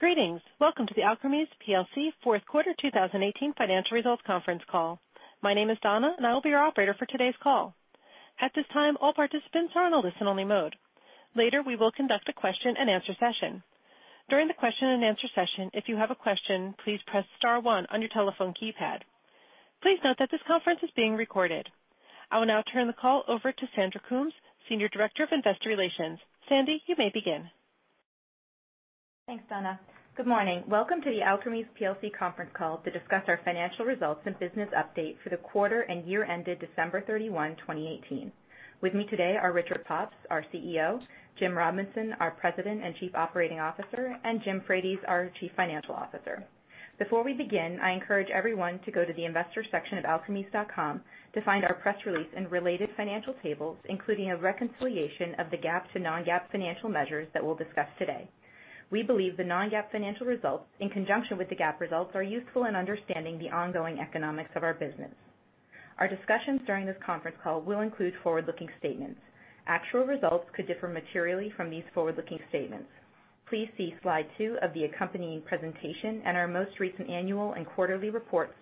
Greetings. Welcome to the Alkermes plc fourth quarter 2018 financial results conference call. My name is Donna, and I will be your Operator for today's call. At this time, all participants are on a listen-only mode. Later, we will conduct a question and answer session. During the question and answer session, if you have a question, please press star one on your telephone keypad. Please note that this conference is being recorded. I will now turn the call over to Sandra Coombs, Senior Director of Investor Relations. Sandra Coombs, you may begin. Thanks, Donna. Good morning. Welcome to the Alkermes plc conference call to discuss our financial results and business update for the quarter and year-ended December 31, 2018. With me today are Richard Pops, our CEO, James Robinson, our President and Chief Operating Officer, and James Frates, our Chief Financial Officer. Before we begin, I encourage everyone to go to the investor section of alkermes.com to find our press release and related financial tables, including a reconciliation of the GAAP to non-GAAP financial measures that we'll discuss today. We believe the non-GAAP financial results, in conjunction with the GAAP results, are useful in understanding the ongoing economics of our business. Our discussions during this conference call will include forward-looking statements. Actual results could differ materially from these forward-looking statements. Please see slide two of the accompanying presentation and our most recent annual and quarterly reports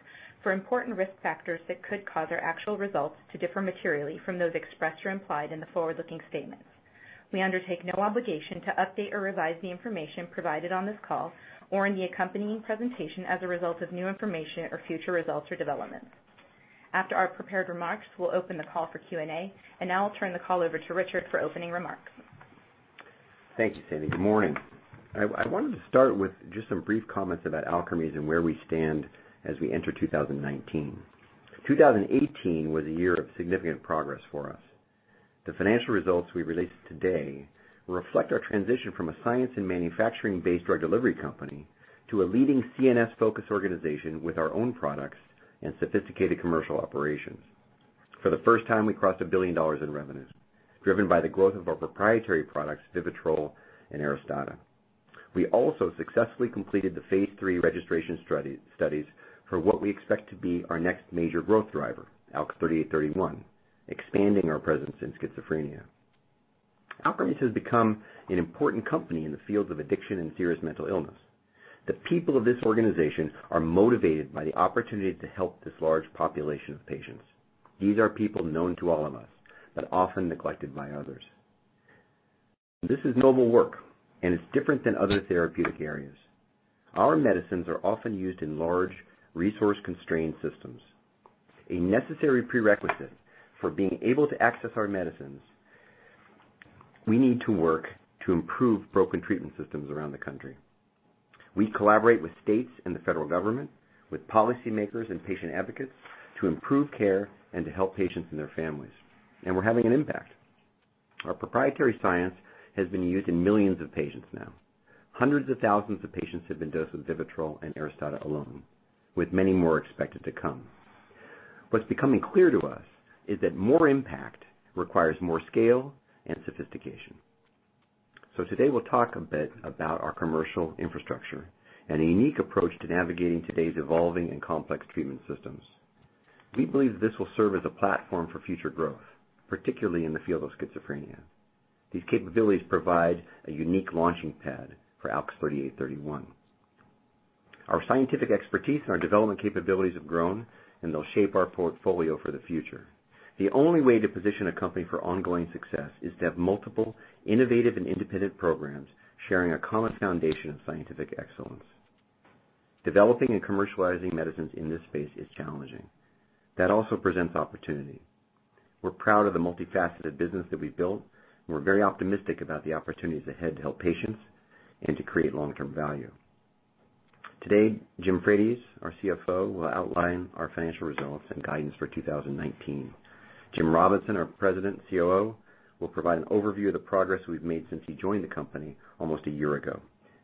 for important risk factors that could cause our actual results to differ materially from those expressed or implied in the forward-looking statements. We undertake no obligation to update or revise the information provided on this call or in the accompanying presentation as a result of new information or future results or developments. After our prepared remarks, we'll open the call for Q&A. Now I'll turn the call over to Richard Pops for opening remarks. Thank you, Sandra Coombs. Good morning. I wanted to start with just some brief comments about Alkermes and where we stand as we enter 2019. 2018 was a year of significant progress for us. The financial results we released today reflect our transition from a science and manufacturing-based drug delivery company to a leading CNS-focused organization with our own products and sophisticated commercial operations. For the first time, we crossed $1 billion in revenues, driven by the growth of our proprietary products, VIVITROL and ARISTADA. We also successfully completed the phase III registration studies for what we expect to be our next major growth driver, ALKS 3831, expanding our presence in schizophrenia. Alkermes has become an important company in the fields of addiction and serious mental illness. The people of this organization are motivated by the opportunity to help this large population of patients. These are people known to all of us, often neglected by others. This is noble work, it's different than other therapeutic areas. Our medicines are often used in large, resource-constrained systems. A necessary prerequisite for being able to access our medicines, we need to work to improve broken treatment systems around the country. We collaborate with states and the federal government, with policymakers and patient advocates, to improve care and to help patients and their families, we're having an impact. Our proprietary science has been used in millions of patients now. Hundreds of thousands of patients have been dosed with VIVITROL and ARISTADA alone, with many more expected to come. What's becoming clear to us is that more impact requires more scale and sophistication. Today, we'll talk a bit about our commercial infrastructure and a unique approach to navigating today's evolving and complex treatment systems. We believe this will serve as a platform for future growth, particularly in the field of schizophrenia. These capabilities provide a unique launching pad for ALKS 3831. Our scientific expertise and our development capabilities have grown, they'll shape our portfolio for the future. The only way to position a company for ongoing success is to have multiple innovative and independent programs sharing a common foundation of scientific excellence. Developing and commercializing medicines in this space is challenging. That also presents opportunity. We're proud of the multifaceted business that we've built, we're very optimistic about the opportunities ahead to help patients and to create long-term value. Today, James Frates, our CFO, will outline our financial results and guidance for 2019. James Robinson, our President and COO, will provide an overview of the progress we've made since he joined the company almost a year ago.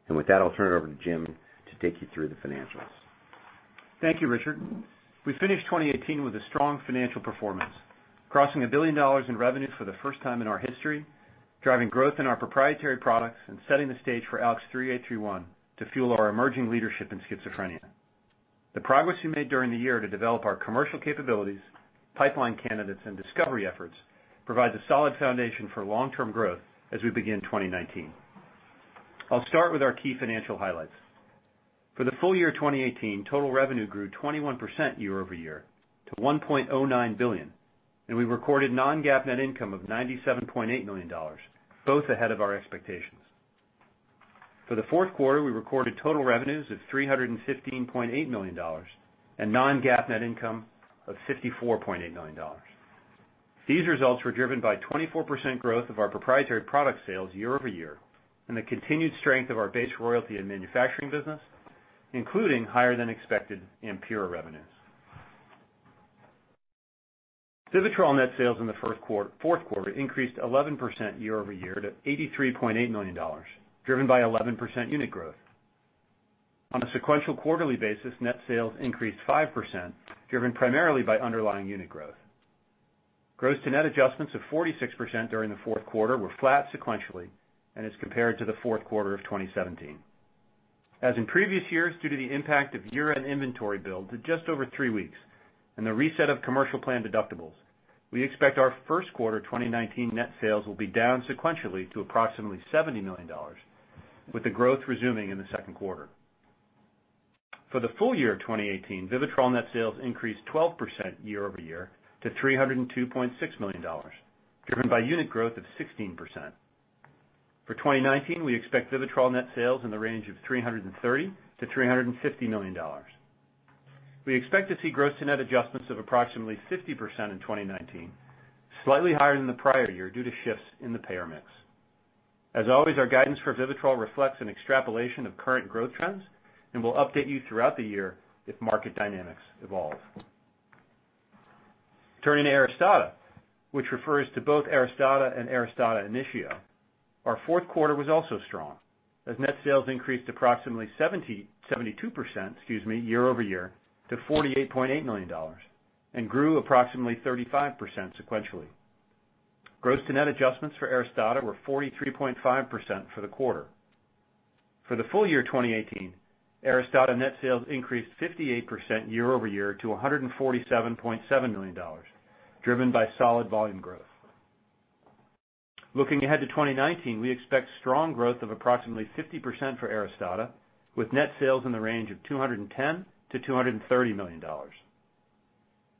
With that, I'll turn it over to James Frates to take you through the financials. Thank you, Richard Pops. We finished 2018 with a strong financial performance, crossing $1 billion in revenue for the first time in our history, driving growth in our proprietary products, setting the stage for ALKS 3831 to fuel our emerging leadership in schizophrenia. The progress we made during the year to develop our commercial capabilities, pipeline candidates, and discovery efforts provides a solid foundation for long-term growth as we begin 2019. I'll start with our key financial highlights. For the full year 2018, total revenue grew 21% year-over-year to $1.09 billion, we recorded non-GAAP net income of $97.8 million, both ahead of our expectations. For the fourth quarter, we recorded total revenues of $315.8 million, non-GAAP net income of $54.8 million. These results were driven by 24% growth of our proprietary product sales year-over-year and the continued strength of our base royalty and manufacturing business, including higher than expected AMPYRA revenues. VIVITROL net sales in the fourth quarter increased 11% year-over-year to $83.8 million, driven by 11% unit growth. On a sequential quarterly basis, net sales increased 5%, driven primarily by underlying unit growth. Gross-to-net adjustments of 46% during the fourth quarter were flat sequentially and as compared to the fourth quarter of 2017. As in previous years, due to the impact of year-end inventory build to just over three weeks and the reset of commercial plan deductibles. We expect our first quarter 2019 net sales will be down sequentially to approximately $70 million, with the growth resuming in the second quarter. For the full year of 2018, VIVITROL net sales increased 12% year-over-year to $302.6 million, driven by unit growth of 16%. For 2019, we expect VIVITROL net sales in the range of $330 million-$350 million. We expect to see gross-to-net adjustments of approximately 50% in 2019, slightly higher than the prior year due to shifts in the payer mix. As always, our guidance for VIVITROL reflects an extrapolation of current growth trends. We'll update you throughout the year if market dynamics evolve. Turning to ARISTADA, which refers to both ARISTADA and ARISTADA INITIO, our fourth quarter was also strong, as net sales increased approximately 72% year-over-year to $48.8 million and grew approximately 35% sequentially. Gross-to-net adjustments for ARISTADA were 43.5% for the quarter. For the full year 2018, ARISTADA net sales increased 58% year-over-year to $147.7 million, driven by solid volume growth. Looking ahead to 2019, we expect strong growth of approximately 50% for ARISTADA, with net sales in the range of $210 million-$230 million.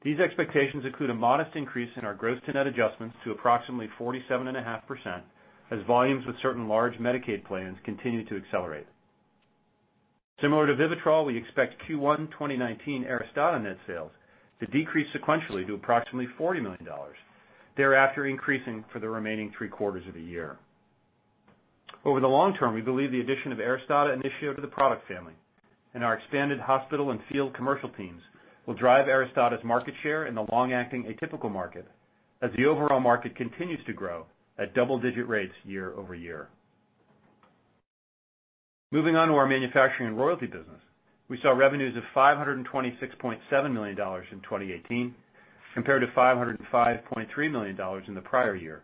These expectations include a modest increase in our gross-to-net adjustments to approximately 47.5%, as volumes with certain large Medicaid plans continue to accelerate. Similar to VIVITROL, we expect Q1 2019 ARISTADA net sales to decrease sequentially to approximately $40 million, thereafter increasing for the remaining three quarters of the year. Over the long term, we believe the addition of ARISTADA INITIO to the product family and our expanded hospital and field commercial teams will drive ARISTADA's market share in the long-acting atypical market, as the overall market continues to grow at double-digit rates year-over-year. Moving on to our manufacturing and royalty business. We saw revenues of $526.7 million in 2018 compared to $505.3 million in the prior year,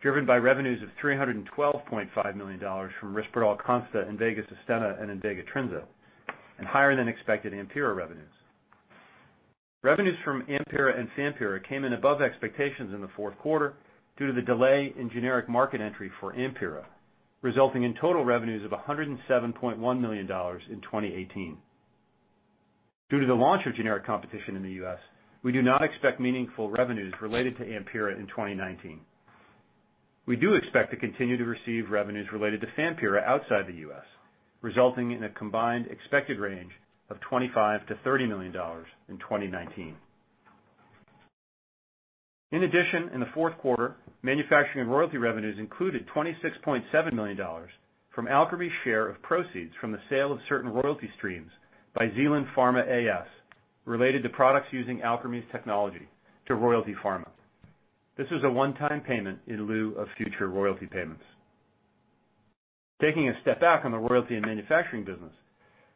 driven by revenues of $312.5 million from RISPERDAL CONSTA, INVEGA SUSTENNA, and INVEGA TRINZA, and higher than expected AMPYRA revenues. Revenues from AMPYRA and FAMPYRA came in above expectations in the fourth quarter due to the delay in generic market entry for AMPYRA, resulting in total revenues of $107.1 million in 2018. Due to the launch of generic competition in the U.S., we do not expect meaningful revenues related to AMPYRA in 2019. We do expect to continue to receive revenues related to FAMPYRA outside the U.S., resulting in a combined expected range of $25 million-$30 million in 2019. In addition, in the fourth quarter, manufacturing and royalty revenues included $26.7 million from Alkermes' share of proceeds from the sale of certain royalty streams by Zealand Pharma A/S related to products using Alkermes technology to Royalty Pharma. This was a one-time payment in lieu of future royalty payments. Taking a step back on the royalty and manufacturing business,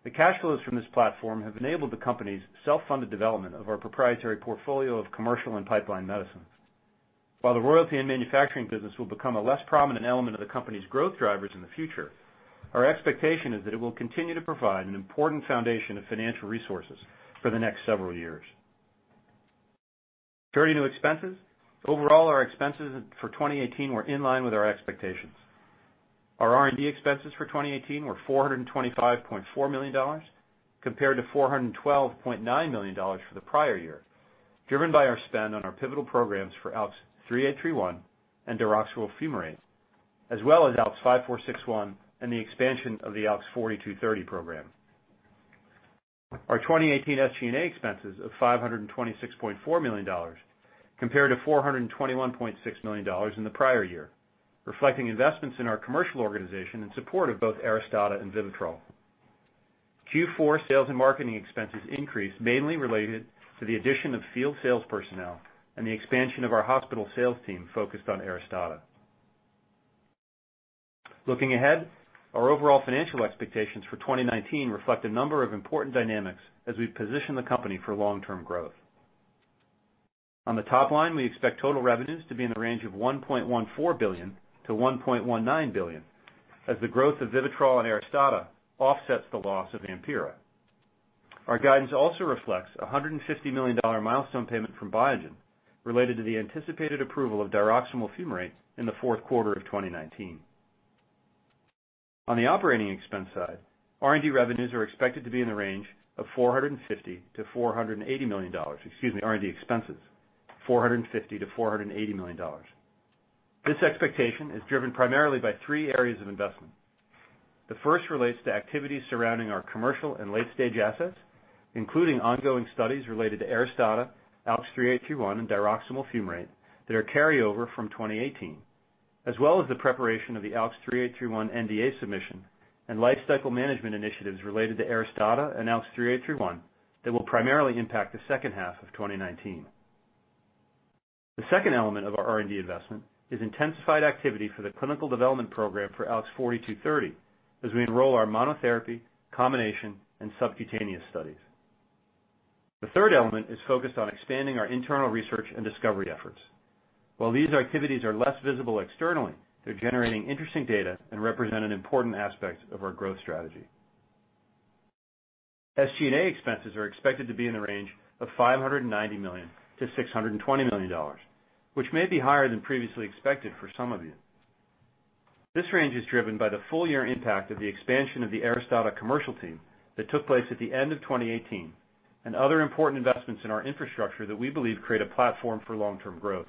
the cash flows from this platform have enabled the company's self-funded development of our proprietary portfolio of commercial and pipeline medicines. While the royalty and manufacturing business will become a less prominent element of the company's growth drivers in the future, our expectation is that it will continue to provide an important foundation of financial resources for the next several years. Turning to expenses. Overall, our expenses for 2018 were in line with our expectations. Our R&D expenses for 2018 were $425.4 million compared to $412.9 million for the prior year, driven by our spend on our pivotal programs for ALKS 3831 and diroximel fumarate, as well as ALKS 5461 and the expansion of the ALKS 4230 program. Our 2018 SG&A expenses of $526.4 million compared to $421.6 million in the prior year, reflecting investments in our commercial organization in support of both ARISTADA and VIVITROL. Q4 sales and marketing expenses increased, mainly related to the addition of field sales personnel and the expansion of our hospital sales team focused on ARISTADA. Looking ahead, our overall financial expectations for 2019 reflect a number of important dynamics as we position the company for long-term growth. On the top line, we expect total revenues to be in the range of $1.14 billion-$1.19 billion as the growth of VIVITROL and ARISTADA offsets the loss of AMPYRA. Our guidance also reflects $150 million milestone payment from Biogen related to the anticipated approval of diroximel fumarate in the fourth quarter of 2019. On the operating expense side, R&D revenues are expected to be in the range of $450 million-$480 million. Excuse me, R&D expenses, $450 million-$480 million. This expectation is driven primarily by three areas of investment. The first relates to activities surrounding our commercial and late-stage assets, including ongoing studies related to ARISTADA, ALKS 3831, and diroximel fumarate that are carryover from 2018, as well as the preparation of the ALKS 3831 NDA submission and lifecycle management initiatives related to ARISTADA and ALKS 3831 that will primarily impact the second half of 2019. The second element of our R&D investment is intensified activity for the clinical development program for ALKS 4230, as we enroll our monotherapy, combination, and subcutaneous studies. The third element is focused on expanding our internal research and discovery efforts. While these activities are less visible externally, they're generating interesting data and represent an important aspect of our growth strategy. SG&A expenses are expected to be in the range of $590 million-$620 million, which may be higher than previously expected for some of you. This range is driven by the full year impact of the expansion of the ARISTADA commercial team that took place at the end of 2018, and other important investments in our infrastructure that we believe create a platform for long-term growth.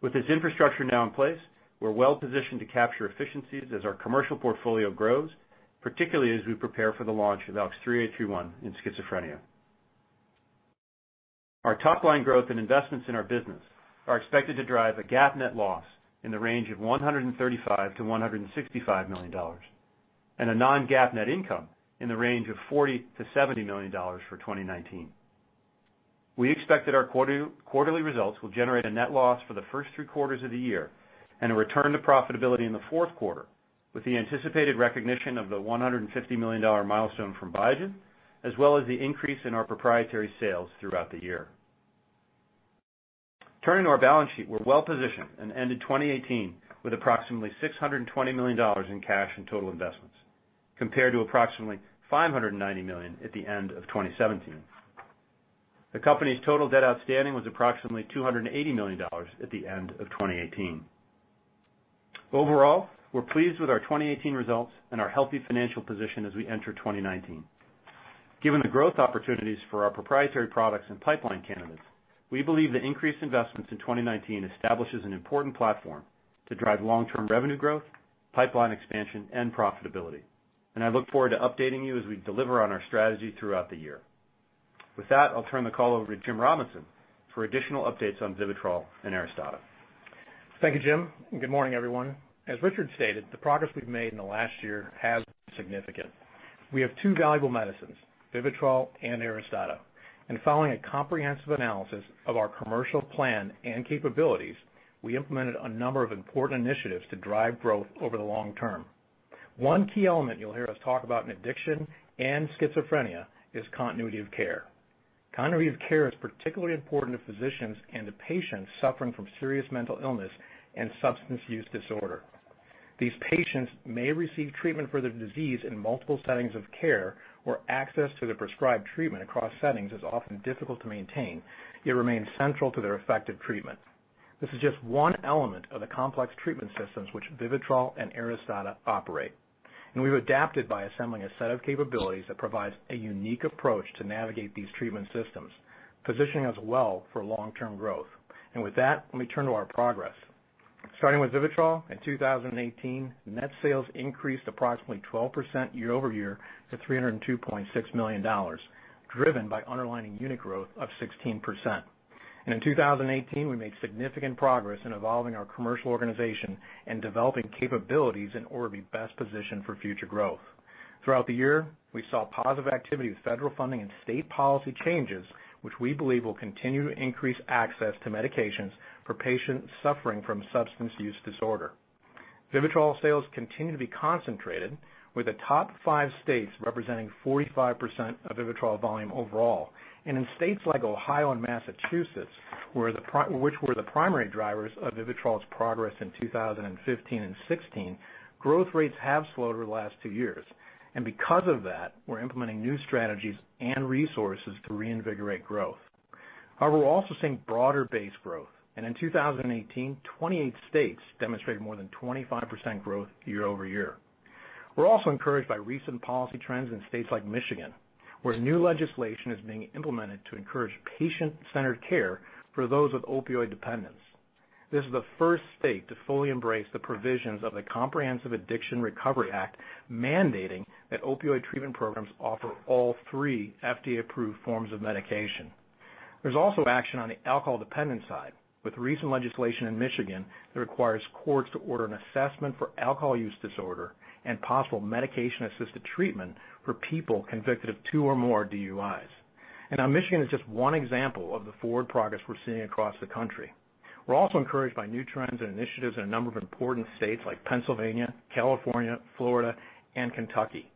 With this infrastructure now in place, we're well-positioned to capture efficiencies as our commercial portfolio grows, particularly as we prepare for the launch of ALKS 3831 in schizophrenia. Our top-line growth and investments in our business are expected to drive a GAAP net loss in the range of $135 million-$165 million, and a non-GAAP net income in the range of $40 million-$70 million for 2019. We expect that our quarterly results will generate a net loss for the first three quarters of the year, and a return to profitability in the fourth quarter, with the anticipated recognition of the $150 million milestone from Biogen, as well as the increase in our proprietary sales throughout the year. Turning to our balance sheet, we're well-positioned and ended 2018 with approximately $620 million in cash and total investments, compared to approximately $590 million at the end of 2017. The company's total debt outstanding was approximately $280 million at the end of 2018. Overall, we're pleased with our 2018 results and our healthy financial position as we enter 2019. Given the growth opportunities for our proprietary products and pipeline candidates, we believe that increased investments in 2019 establishes an important platform to drive long-term revenue growth, pipeline expansion, and profitability. I look forward to updating you as we deliver on our strategy throughout the year. With that, I'll turn the call over to James Robinson for additional updates on Vivitrol and ARISTADA. Thank you, James Frates, and good morning, everyone. As Richard Pops stated, the progress we've made in the last year has been significant. We have two valuable medicines, Vivitrol and ARISTADA. Following a comprehensive analysis of our commercial plan and capabilities, we implemented a number of important initiatives to drive growth over the long term. One key element you'll hear us talk about in addiction and schizophrenia is continuity of care. Continuity of care is particularly important to physicians and to patients suffering from serious mental illness and substance use disorder. These patients may receive treatment for their disease in multiple settings of care, where access to the prescribed treatment across settings is often difficult to maintain, yet remains central to their effective treatment. This is just one element of the complex treatment systems which Vivitrol and ARISTADA operate. We've adapted by assembling a set of capabilities that provides a unique approach to navigate these treatment systems, positioning us well for long-term growth. With that, let me turn to our progress. Starting with Vivitrol, in 2018, net sales increased approximately 12% year-over-year to $302.6 million, driven by underlying unit growth of 16%. In 2018, we made significant progress in evolving our commercial organization and developing capabilities in order to be best positioned for future growth. Throughout the year, we saw positive activity with federal funding and state policy changes, which we believe will continue to increase access to medications for patients suffering from substance use disorder. Vivitrol sales continue to be concentrated, with the top five states representing 45% of Vivitrol volume overall. In states like Ohio and Massachusetts, which were the primary drivers of Vivitrol's progress in 2015 and 2016, growth rates have slowed over the last two years. Because of that, we're implementing new strategies and resources to reinvigorate growth. However, we're also seeing broader base growth. In 2018, 28 states demonstrated more than 25% growth year-over-year. We're also encouraged by recent policy trends in states like Michigan, where new legislation is being implemented to encourage patient-centered care for those with opioid dependence. This is the first state to fully embrace the provisions of the Comprehensive Addiction and Recovery Act, mandating that opioid treatment programs offer all three FDA-approved forms of medication. There's also action on the alcohol dependence side, with recent legislation in Michigan that requires courts to order an assessment for alcohol use disorder and possible medication-assisted treatment for people convicted of two or more DUIs. Michigan is just one example of the forward progress we're seeing across the country. We're also encouraged by new trends and initiatives in a number of important states like Pennsylvania, California, Florida, and Kentucky.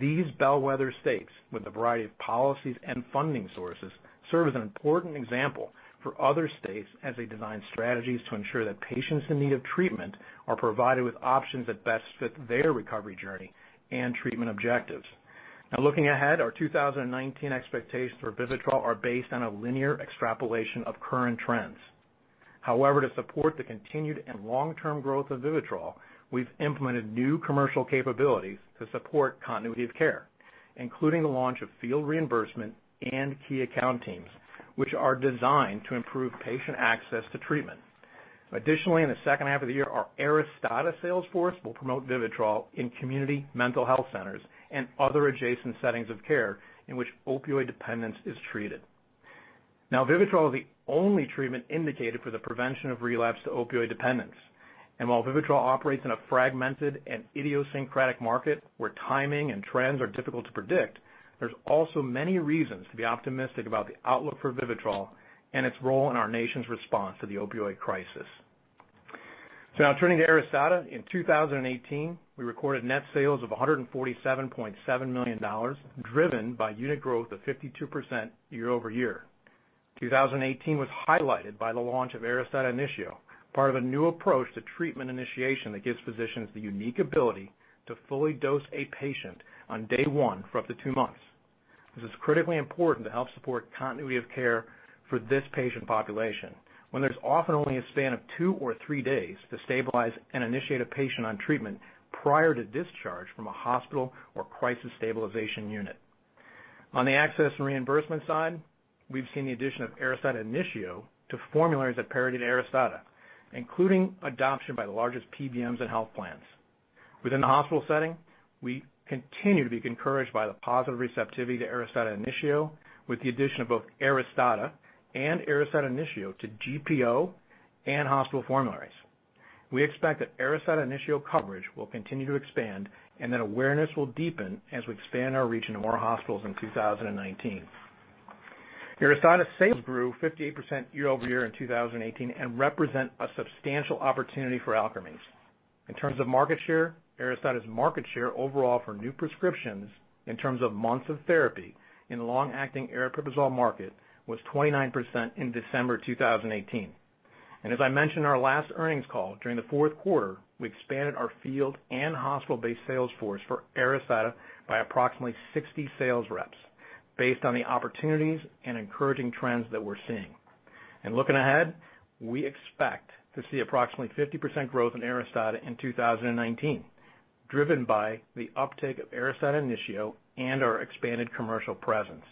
These bellwether states, with a variety of policies and funding sources, serve as an important example for other states as they design strategies to ensure that patients in need of treatment are provided with options that best fit their recovery journey and treatment objectives. Looking ahead, our 2019 expectations for Vivitrol are based on a linear extrapolation of current trends. However, to support the continued and long-term growth of Vivitrol, we've implemented new commercial capabilities to support continuity of care, including the launch of field reimbursement and key account teams, which are designed to improve patient access to treatment. Additionally, in the second half of the year, our ARISTADA sales force will promote Vivitrol in community mental health centers and other adjacent settings of care in which opioid dependence is treated. Vivitrol is the only treatment indicated for the prevention of relapse to opioid dependence. While Vivitrol operates in a fragmented and idiosyncratic market, where timing and trends are difficult to predict, there's also many reasons to be optimistic about the outlook for Vivitrol and its role in our nation's response to the opioid crisis. Turning to ARISTADA. In 2018, we recorded net sales of $147.7 million, driven by unit growth of 52% year-over-year. 2018 was highlighted by the launch of ARISTADA Initio, part of a new approach to treatment initiation that gives physicians the unique ability to fully dose a patient on day one for up to two months. This is critically important to help support continuity of care for this patient population, when there's often only a span of two or three days to stabilize and initiate a patient on treatment prior to discharge from a hospital or crisis stabilization unit. On the access and reimbursement side, we've seen the addition of ARISTADA Initio to formularies that parodied ARISTADA, including adoption by the largest PBMs and health plans. Within the hospital setting, we continue to be encouraged by the positive receptivity to ARISTADA Initio, with the addition of both ARISTADA and ARISTADA Initio to GPO and hospital formularies. We expect that ARISTADA Initio coverage will continue to expand and that awareness will deepen as we expand our reach into more hospitals in 2019. ARISTADA sales grew 58% year-over-year in 2018 and represent a substantial opportunity for Alkermes. In terms of market share, ARISTADA's market share overall for new prescriptions, in terms of months of therapy in the long-acting aripiprazole market, was 29% in December 2018. As I mentioned in our last earnings call, during the fourth quarter, we expanded our field and hospital-based sales force for ARISTADA by approximately 60 sales reps, based on the opportunities and encouraging trends that we're seeing. Looking ahead, we expect to see approximately 50% growth in ARISTADA in 2019, driven by the uptake of ARISTADA Initio and our expanded commercial presence.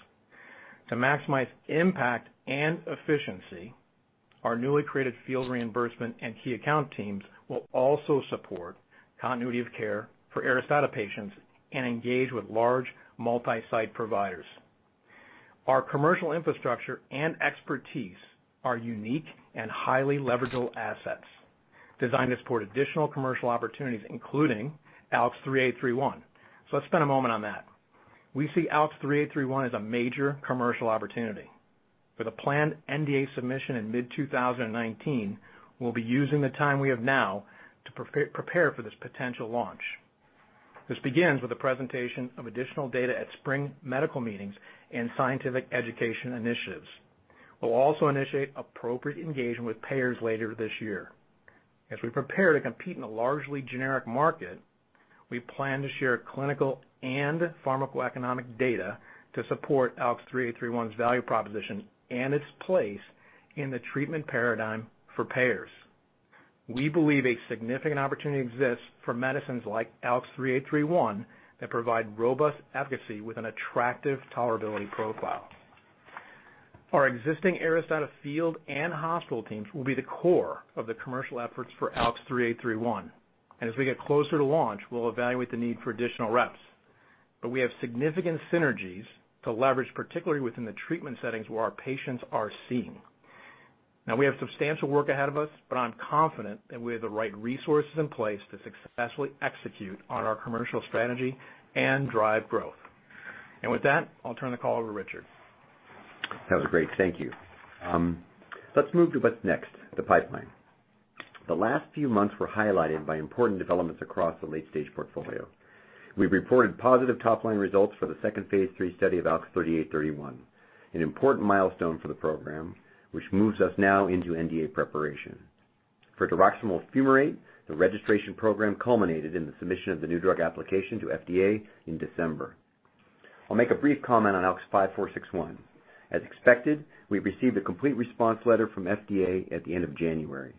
To maximize impact and efficiency, our newly created field reimbursement and key account teams will also support continuity of care for ARISTADA patients and engage with large multi-site providers. Our commercial infrastructure and expertise are unique and highly leverageable assets designed to support additional commercial opportunities, including ALKS 3831. Let's spend a moment on that. We see ALKS 3831 as a major commercial opportunity. With a planned NDA submission in mid-2019, we'll be using the time we have now to prepare for this potential launch. This begins with the presentation of additional data at spring medical meetings and scientific education initiatives. We'll also initiate appropriate engagement with payers later this year. As we prepare to compete in a largely generic market, we plan to share clinical and pharmacoeconomic data to support ALKS 3831's value proposition and its place in the treatment paradigm for payers. We believe a significant opportunity exists for medicines like ALKS 3831 that provide robust efficacy with an attractive tolerability profile. Our existing ARISTADA field and hospital teams will be the core of the commercial efforts for ALKS 3831 and as we get closer to launch, we'll evaluate the need for additional reps. We have significant synergies to leverage, particularly within the treatment settings where our patients are seen. Now, we have substantial work ahead of us, but I'm confident that we have the right resources in place to successfully execute on our commercial strategy and drive growth. With that, I'll turn the call over to Richard Pops. That was great, thank you. Let's move to what's next, the pipeline. The last few months were highlighted by important developments across the late-stage portfolio. We've reported positive top-line results for the second phase III study of ALKS 3831, an important milestone for the program, which moves us now into NDA preparation. For diroximel fumarate, the registration program culminated in the submission of the new drug application to FDA in December. I'll make a brief comment on ALKS 5461. As expected, we received a complete response letter from FDA at the end of January.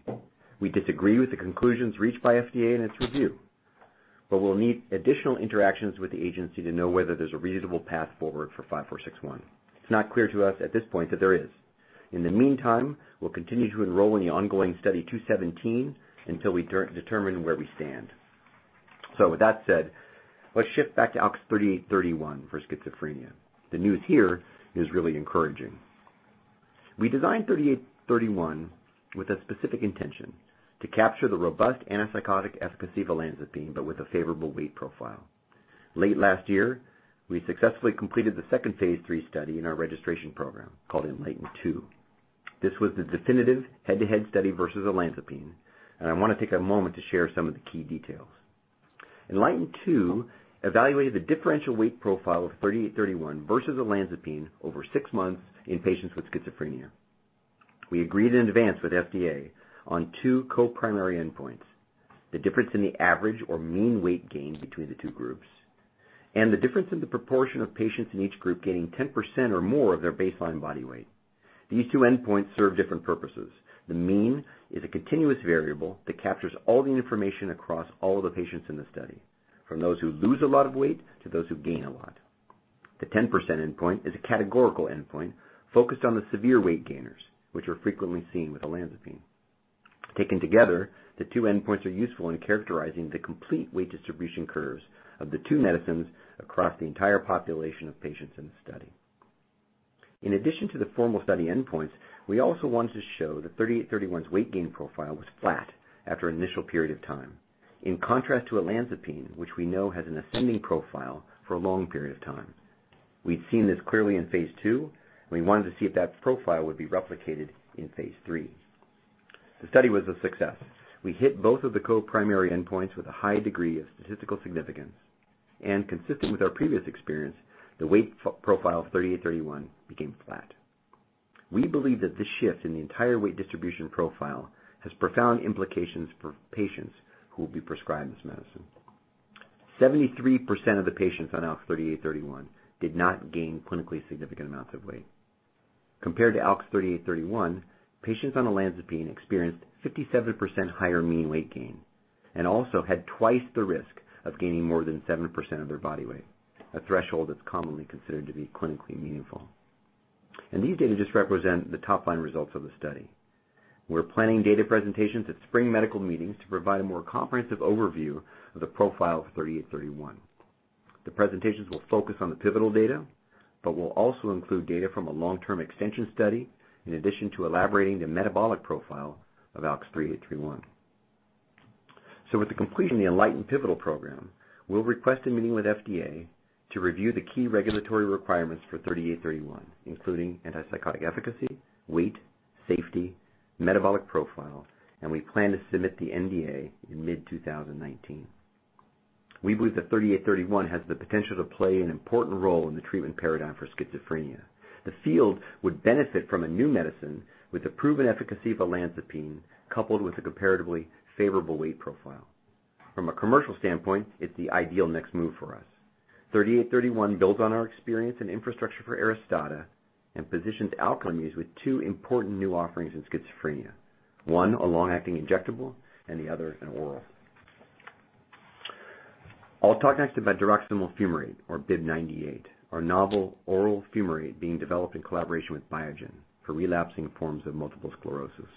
We disagree with the conclusions reached by FDA in its review, but we'll need additional interactions with the agency to know whether there's a reasonable path forward for ALKS 5461. It's not clear to us at this point that there is. In the meantime, we'll continue to enroll in the ongoing study 217 until we determine where we stand. With that said, let's shift back to ALKS 3831 for schizophrenia. The news here is really encouraging. We designed ALKS 3831 with a specific intention, to capture the robust antipsychotic efficacy of olanzapine, but with a favorable weight profile. Late last year, we successfully completed the second phase III study in our registration program, called ENLIGHTEN-2. This was the definitive head-to-head study versus olanzapine, and I want to take a moment to share some of the key details. ENLIGHTEN-2 evaluated the differential weight profile of ALKS 3831 versus olanzapine over six months in patients with schizophrenia. We agreed in advance with FDA on two co-primary endpoints, the difference in the average or mean weight gain between the two groups and the difference in the proportion of patients in each group gaining 10% or more of their baseline body weight. These two endpoints serve different purposes. The mean is a continuous variable that captures all the information across all of the patients in the study, from those who lose a lot of weight to those who gain a lot. The 10% endpoint is a categorical endpoint focused on the severe weight gainers, which are frequently seen with olanzapine. Taken together, the two endpoints are useful in characterizing the complete weight distribution curves of the two medicines across the entire population of patients in the study. In addition to the formal study endpoints, we also wanted to show that ALKS 3831's weight gain profile was flat after an initial period of time. In contrast to olanzapine, which we know has an ascending profile for a long period of time. We've seen this clearly in phase II, and we wanted to see if that profile would be replicated in phase III. The study was a success. We hit both of the co-primary endpoints with a high degree of statistical significance and consistent with our previous experience, the weight profile ALKS 3831 became flat. We believe that this shift in the entire weight distribution profile has profound implications for patients who will be prescribed this medicine. 73% of the patients on ALKS 3831 did not gain clinically significant amounts of weight. Compared to ALKS 3831, patients on olanzapine experienced 57% higher mean weight gain and also had twice the risk of gaining more than 7% of their body weight, a threshold that's commonly considered to be clinically meaningful. These data just represent the top-line results of the study. We're planning data presentations at spring medical meetings to provide a more comprehensive overview of the profile of ALKS 3831. The presentations will focus on the pivotal data, but will also include data from a long-term extension study, in addition to elaborating the metabolic profile of ALKS 3831. With the completion of the ENLIGHTEN pivotal program, we'll request a meeting with FDA to review the key regulatory requirements for ALKS 3831, including antipsychotic efficacy, weight, safety, metabolic profile, and we plan to submit the NDA in mid 2019. We believe that ALKS 3831 has the potential to play an important role in the treatment paradigm for schizophrenia. The field would benefit from a new medicine with the proven efficacy of olanzapine, coupled with a comparatively favorable weight profile. From a commercial standpoint, it's the ideal next move for us. ALKS 3831 builds on our experience and infrastructure for ARISTADA and positions Alkermes with two important new offerings in schizophrenia: one, a long-acting injectable, and the other, an oral. I'll talk next about diroximel fumarate or BIIB098, our novel oral fumarate being developed in collaboration with Biogen for relapsing forms of multiple sclerosis.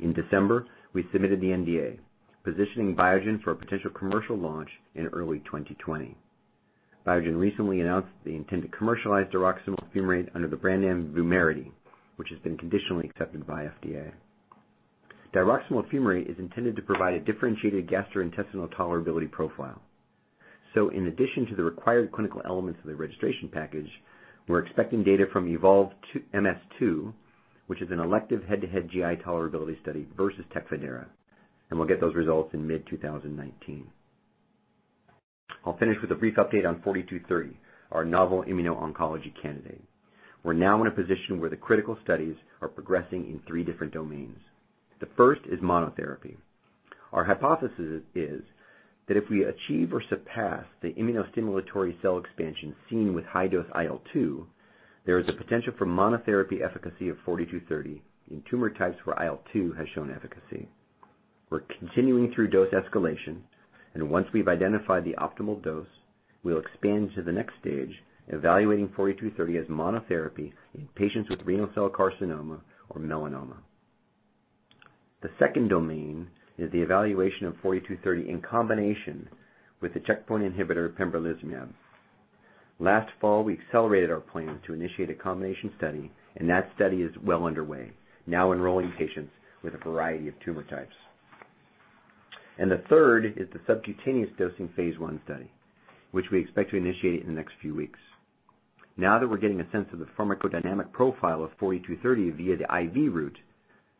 In December, we submitted the NDA, positioning Biogen for a potential commercial launch in early 2020. Biogen recently announced they intend to commercialize diroximel fumarate under the brand name VUMERITY, which has been conditionally accepted by FDA. Diroximel fumarate is intended to provide a differentiated gastrointestinal tolerability profile. In addition to the required clinical elements of the registration package, we're expecting data from EVOLVE-MS-2, which is an elective head-to-head GI tolerability study versus TECFIDERA, and we'll get those results in mid-2019. I'll finish with a brief update on ALKS 4230, our novel immuno-oncology candidate. We're now in a position where the critical studies are progressing in three different domains. The first is monotherapy. Our hypothesis is that if we achieve or surpass the immunostimulatory cell expansion seen with high-dose IL-2, there is a potential for monotherapy efficacy of ALKS 4230 in tumor types where IL-2 has shown efficacy. We're continuing through dose escalation, and once we've identified the optimal dose, we'll expand to the next stage, evaluating ALKS 4230 as monotherapy in patients with renal cell carcinoma or melanoma. The second domain is the evaluation of ALKS in combination with the checkpoint inhibitor pembrolizumab. Last fall, we accelerated our plan to initiate a combination study, and that study is well underway, now enrolling patients with a variety of tumor types. The third is the subcutaneous dosing phase I study, which we expect to initiate in the next few weeks. Now that we're getting a sense of the pharmacodynamic profile of ALKS 4230 via the IV route,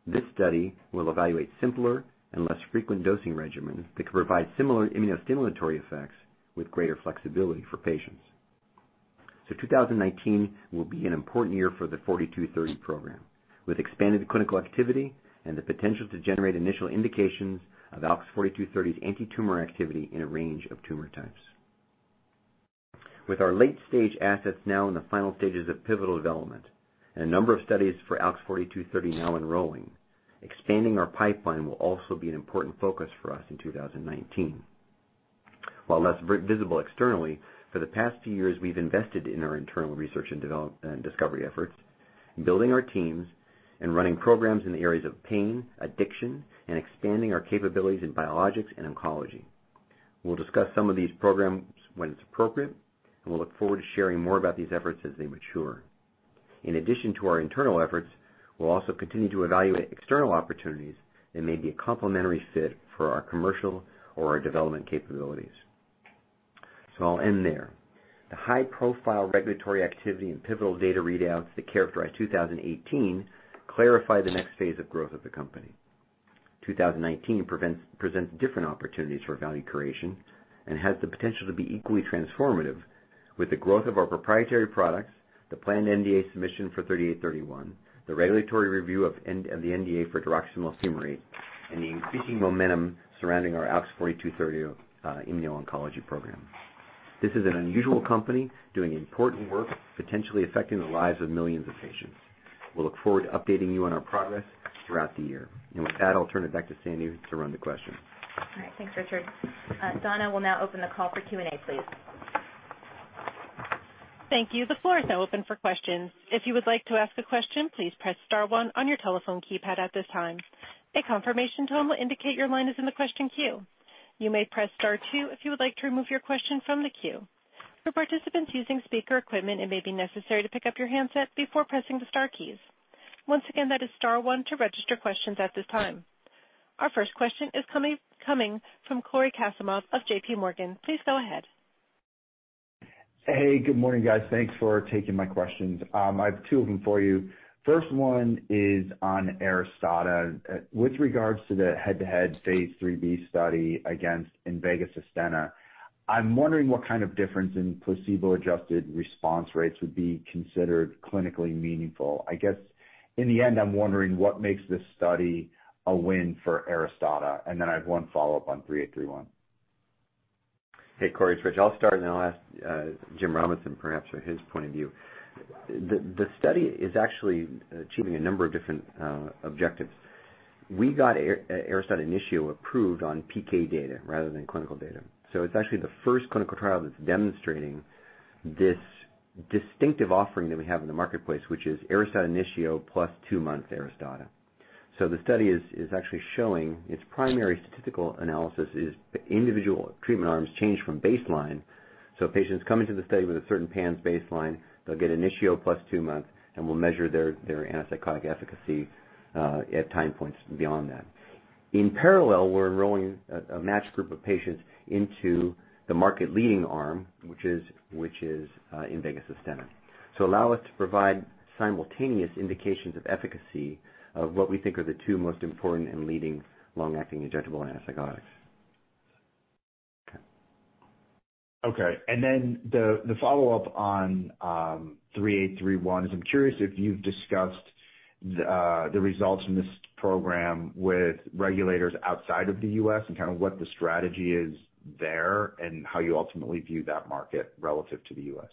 this study will evaluate simpler and less frequent dosing regimens that can provide similar immunostimulatory effects with greater flexibility for patients. 2019 will be an important year for the ALKS 4230 program, with expanded clinical activity and the potential to generate initial indications of ALKS 4230's antitumor activity in a range of tumor types. With our late-stage assets now in the final stages of pivotal development and a number of studies for ALKS 4230 now enrolling, expanding our pipeline will also be an important focus for us in 2019. While less visible externally, for the past few years, we've invested in our internal research and discovery efforts, building our teams and running programs in the areas of pain, addiction, and expanding our capabilities in biologics and oncology. We'll discuss some of these programs when it's appropriate, and we'll look forward to sharing more about these efforts as they mature. In addition to our internal efforts, we'll also continue to evaluate external opportunities that may be a complementary fit for our commercial or our development capabilities. I'll end there. The high-profile regulatory activity and pivotal data readouts that characterize 2018 clarify the next phase of growth of the company. 2019 presents different opportunities for value creation and has the potential to be equally transformative with the growth of our proprietary products, the planned NDA submission for ALKS 3831, the regulatory review of the NDA for diroximel fumarate, and the increasing momentum surrounding our ALKS 4230 immuno-oncology program. This is an unusual company doing important work, potentially affecting the lives of millions of patients. We'll look forward to updating you on our progress throughout the year. With that, I'll turn it back to Sandra Coombs to run the questions. All right. Thanks, Richard Pops. Donna will now open the call for Q&A, please. Thank you. The floor is now open for questions. If you would like to ask a question, please press star one on your telephone keypad at this time. A confirmation tone will indicate your line is in the question queue. You may press star two if you would like to remove your question from the queue. For participants using speaker equipment, it may be necessary to pick up your handset before pressing the star keys. Once again, that is star one to register questions at this time. Our first question is coming from Cory Kasimov of JPMorgan. Please go ahead. Hey, good morning, guys. Thanks for taking my questions. I have two of them for you. First one is on ARISTADA. With regards to the head-to-head phase IIIb study against INVEGA SUSTENNA, I'm wondering what kind of difference in placebo-adjusted response rates would be considered clinically meaningful. I guess in the end, I'm wondering what makes this study a win for ARISTADA. I have one follow-up on ALKS 3831. Hey, Cory Kasimov. It's Richard Pops. I'll start. I'll ask James Robinson perhaps for his point of view. The study is actually achieving a number of different objectives. We got ARISTADA INITIO approved on PK data rather than clinical data. It's actually the first clinical trial that's demonstrating this distinctive offering that we have in the marketplace, which is ARISTADA INITIO plus two-month ARISTADA. The study is actually showing its primary statistical analysis is individual treatment arms change from baseline. Patients come into the study with a certain PANSS baseline. They'll get INITIO plus two months. We'll measure their antipsychotic efficacy at time points beyond that. In parallel, we're enrolling a matched group of patients into the market-leading arm, which is INVEGA SUSTENNA. Allow us to provide simultaneous indications of efficacy of what we think are the two most important and leading long-acting injectable antipsychotics. Okay. The follow-up on ALKS 3831 is I'm curious if you've discussed the results from this program with regulators outside of the U.S. and kind of what the strategy is there and how you ultimately view that market relative to the U.S.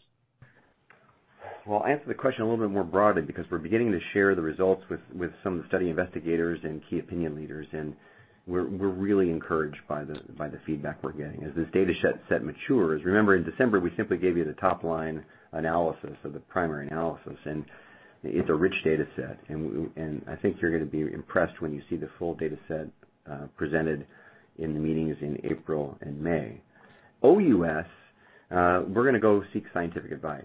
Well, I'll answer the question a little bit more broadly because we're beginning to share the results with some of the study investigators and key opinion leaders. We're really encouraged by the feedback we're getting. As this data set matures, remember in December, we simply gave you the top-line analysis of the primary analysis. It's a rich data set. I think you're going to be impressed when you see the full data set presented in the meetings in April and May. OUS, we're going to go seek scientific advice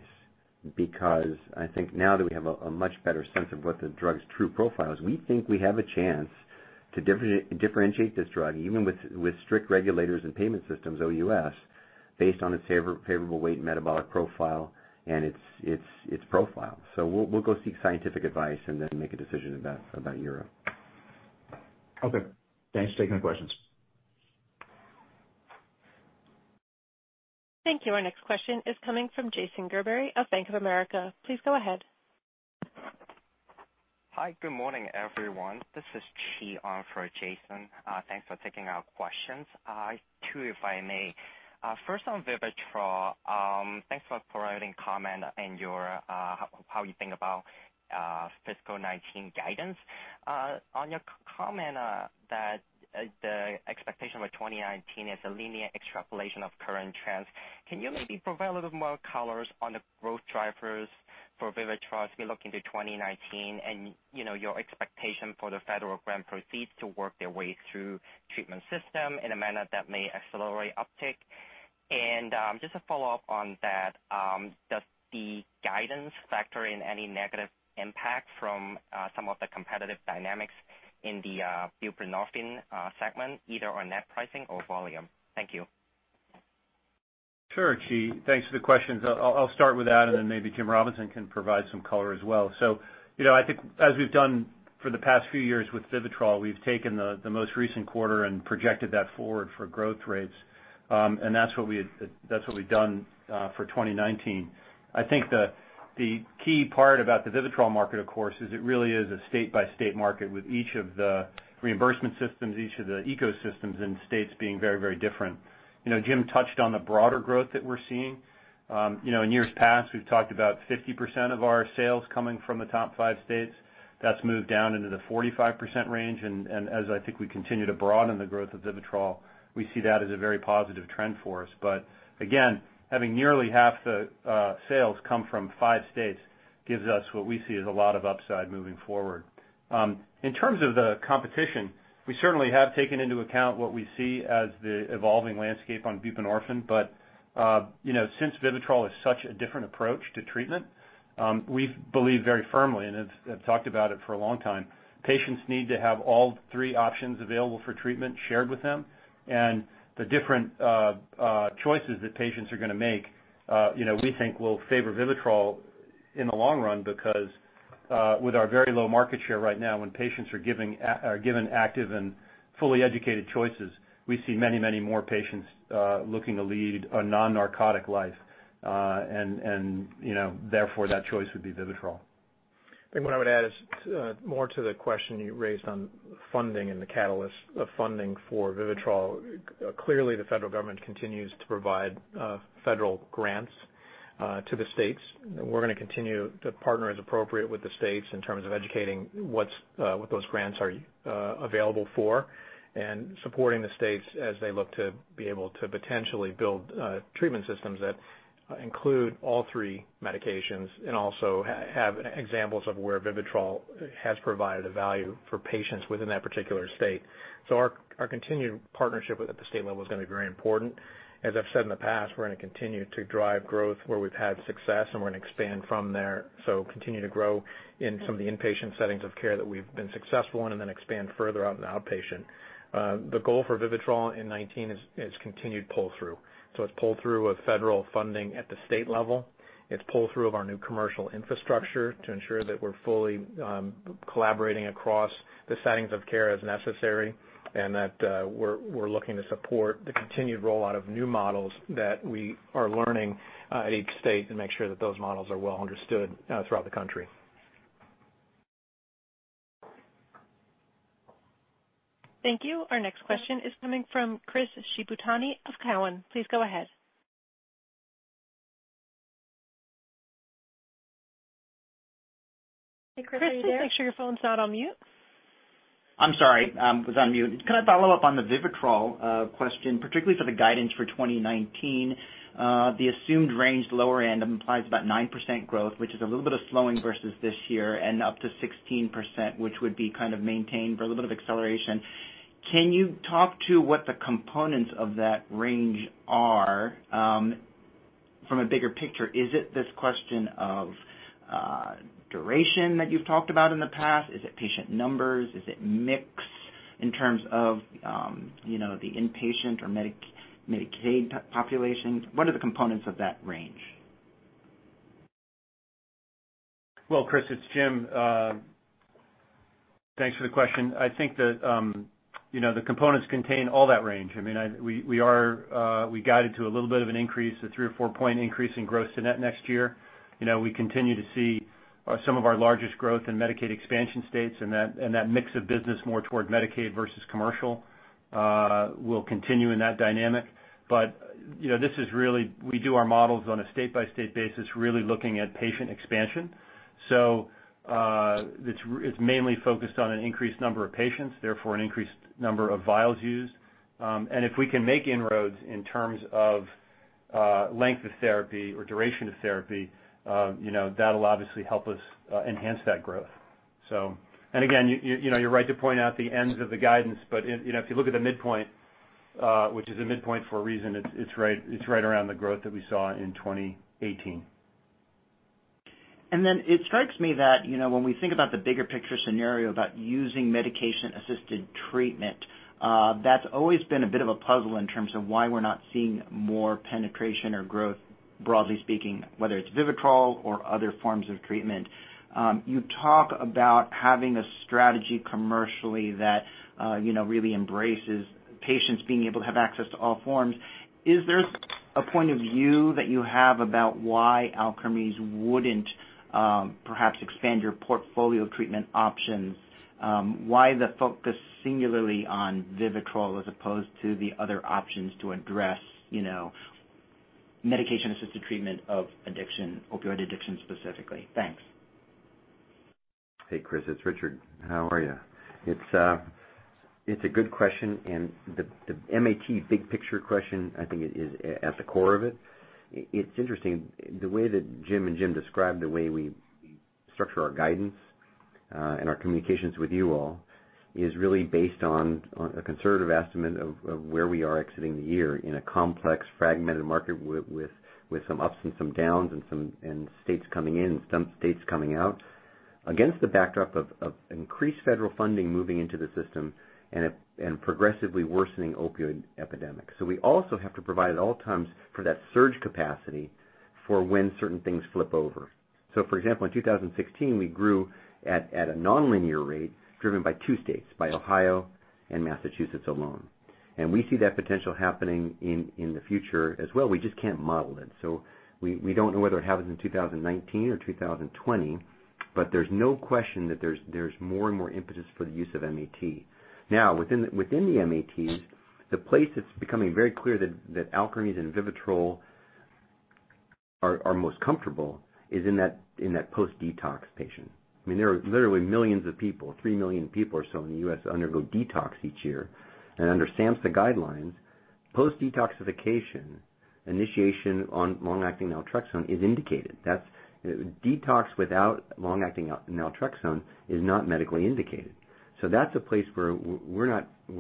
because I think now that we have a much better sense of what the drug's true profile is, we think we have a chance to differentiate this drug, even with strict regulators and payment systems, OUS, based on its favorable weight metabolic profile and its profile. We'll go seek scientific advice and then make a decision about Europe. Okay. Thanks for taking the questions. Thank you. Our next question is coming from Jason Gerberry of Bank of America. Please go ahead. Hi, good morning, everyone. This is Qi on for Jason Gerberry. Thanks for taking our questions. Two, if I may. First on VIVITROL, thanks for providing comment on how you think about fiscal 2019 guidance. On your comment that the expectation for 2019 is a linear extrapolation of current trends, can you maybe provide a little bit more colors on the growth drivers for VIVITROL as we look into 2019 and your expectation for the federal grant proceeds to work their way through treatment system in a manner that may accelerate uptick? Just a follow-up on that, does the guidance factor in any negative impact from some of the competitive dynamics in the buprenorphine segment, either on net pricing or volume? Thank you. Sure, Qi. Thanks for the questions. I'll start with that, then maybe James Robinson can provide some color as well. I think as we've done for the past few years with VIVITROL, we've taken the most recent quarter and projected that forward for growth rates. That's what we've done for 2019. I think the key part about the VIVITROL market, of course, is it really is a state-by-state market with each of the reimbursement systems, each of the ecosystems and states being very different. James Robinson touched on the broader growth that we're seeing. In years past, we've talked about 50% of our sales coming from the top five states. That's moved down into the 45% range, and as I think we continue to broaden the growth of VIVITROL, we see that as a very positive trend for us. Again, having nearly half the sales come from five states gives us what we see as a lot of upside moving forward. In terms of the competition, we certainly have taken into account what we see as the evolving landscape on buprenorphine. Since VIVITROL is such a different approach to treatment, we believe very firmly, and have talked about it for a long time, patients need to have all three options available for treatment shared with them. The different choices that patients are going to make we think will favor VIVITROL in the long run because with our very low market share right now, when patients are given active and fully educated choices, we see many more patients looking to lead a non-narcotic life. Therefore, that choice would be VIVITROL. I think what I would add is more to the question you raised on funding and the catalyst of funding for VIVITROL. Clearly, the federal government continues to provide federal grants to the states. We're going to continue to partner as appropriate with the states in terms of educating what those grants are available for and supporting the states as they look to be able to potentially build treatment systems that Include all three medications and also have examples of where VIVITROL has provided a value for patients within that particular state. Our continued partnership with at the state level is going to be very important. As I've said in the past, we're going to continue to drive growth where we've had success, and we're going to expand from there. Continue to grow in some of the inpatient settings of care that we've been successful in and then expand further out in outpatient. The goal for VIVITROL in 2019 is continued pull-through. It's pull-through of federal funding at the state level. It's pull-through of our new commercial infrastructure to ensure that we're fully collaborating across the settings of care as necessary, that we're looking to support the continued rollout of new models that we are learning at each state and make sure that those models are well understood throughout the country. Thank you. Our next question is coming from Chris Shibutani of Cowen. Please go ahead. Chris Shibutani, make sure your phone's not on mute. I'm sorry. It was on mute. Can I follow up on the Vivitrol question, particularly for the guidance for 2019? The assumed range lower end implies about 9% growth, which is a little bit of slowing versus this year, and up to 16%, which would be kind of maintained for a little bit of acceleration. Can you talk to what the components of that range are from a bigger picture? Is it this question of duration that you've talked about in the past? Is it patient numbers? Is it mix in terms of the inpatient or Medicaid populations? What are the components of that range? Chris Shibutani, it's James Robinson. Thanks for the question. I think that the components contain all that range. We guided to a little bit of an increase, a three or four-point increase in gross to net next year. We continue to see some of our largest growth in Medicaid expansion states. That mix of business more toward Medicaid versus commercial will continue in that dynamic. We do our models on a state-by-state basis, really looking at patient expansion. It's mainly focused on an increased number of patients, therefore an increased number of vials used. If we can make inroads in terms of length of therapy or duration of therapy, that'll obviously help us enhance that growth. Again, you're right to point out the ends of the guidance, if you look at the midpoint, which is a midpoint for a reason, it's right around the growth that we saw in 2018. It strikes me that when we think about the bigger picture scenario about using medication-assisted treatment, that's always been a bit of a puzzle in terms of why we're not seeing more penetration or growth, broadly speaking, whether it's Vivitrol or other forms of treatment. You talk about having a strategy commercially that really embraces patients being able to have access to all forms. Is there a point of view that you have about why Alkermes wouldn't perhaps expand your portfolio treatment options? Why the focus singularly on Vivitrol as opposed to the other options to address medication-assisted treatment of addiction, opioid addiction specifically? Thanks. Hey, Chris Shibutani. It's Richard Pops. How are you? It's a good question. The MAT big picture question, I think, is at the core of it. It's interesting the way that James Frates and James Robinson described the way we structure our guidance and our communications with you all is really based on a conservative estimate of where we are exiting the year in a complex, fragmented market with some ups and some downs and states coming in and some states coming out. Against the backdrop of increased federal funding moving into the system and a progressively worsening opioid epidemic. We also have to provide at all times for that surge capacity for when certain things flip over. For example, in 2016, we grew at a nonlinear rate driven by two states, by Ohio and Massachusetts alone. We see that potential happening in the future as well. We just can't model it. We don't know whether it happens in 2019 or 2020, but there's no question that there's more and more impetus for the use of MAT. Within the MAT, the place that's becoming very clear that Alkermes and Vivitrol are most comfortable is in that post-detox patient. There are literally millions of people, three million people or so in the U.S., undergo detox each year. Under SAMHSA guidelines, post-detoxification initiation on long-acting naltrexone is indicated. Detox without long-acting naltrexone is not medically indicated. That's a place where we're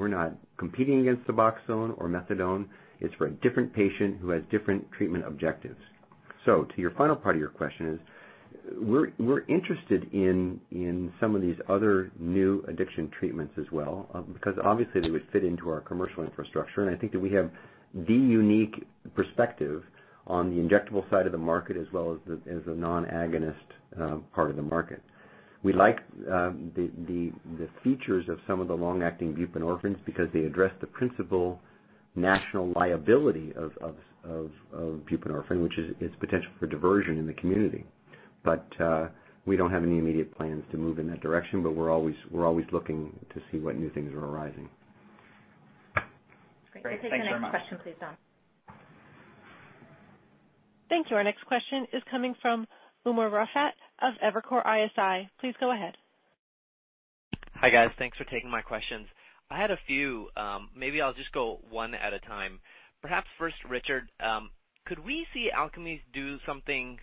not competing against Suboxone or methadone. It's for a different patient who has different treatment objectives. To your final part of your question is, we're interested in some of these other new addiction treatments as well because obviously they would fit into our commercial infrastructure, and I think that we have the unique perspective on the injectable side of the market as well as the non-agonist part of the market. We like the features of some of the long-acting buprenorphines because they address the principal national liability of buprenorphine, which is its potential for diversion in the community. We don't have any immediate plans to move in that direction, but we're always looking to see what new things are arising. Great. Thanks very much. We'll take the next question please, Donna. Thank you. Our next question is coming from Umer Raffat of Evercore ISI. Please go ahead. Hi guys. Thanks for taking my questions. I had a few. Maybe I'll just go one at a time. Perhaps first, Richard Pops, could we see Alkermes do something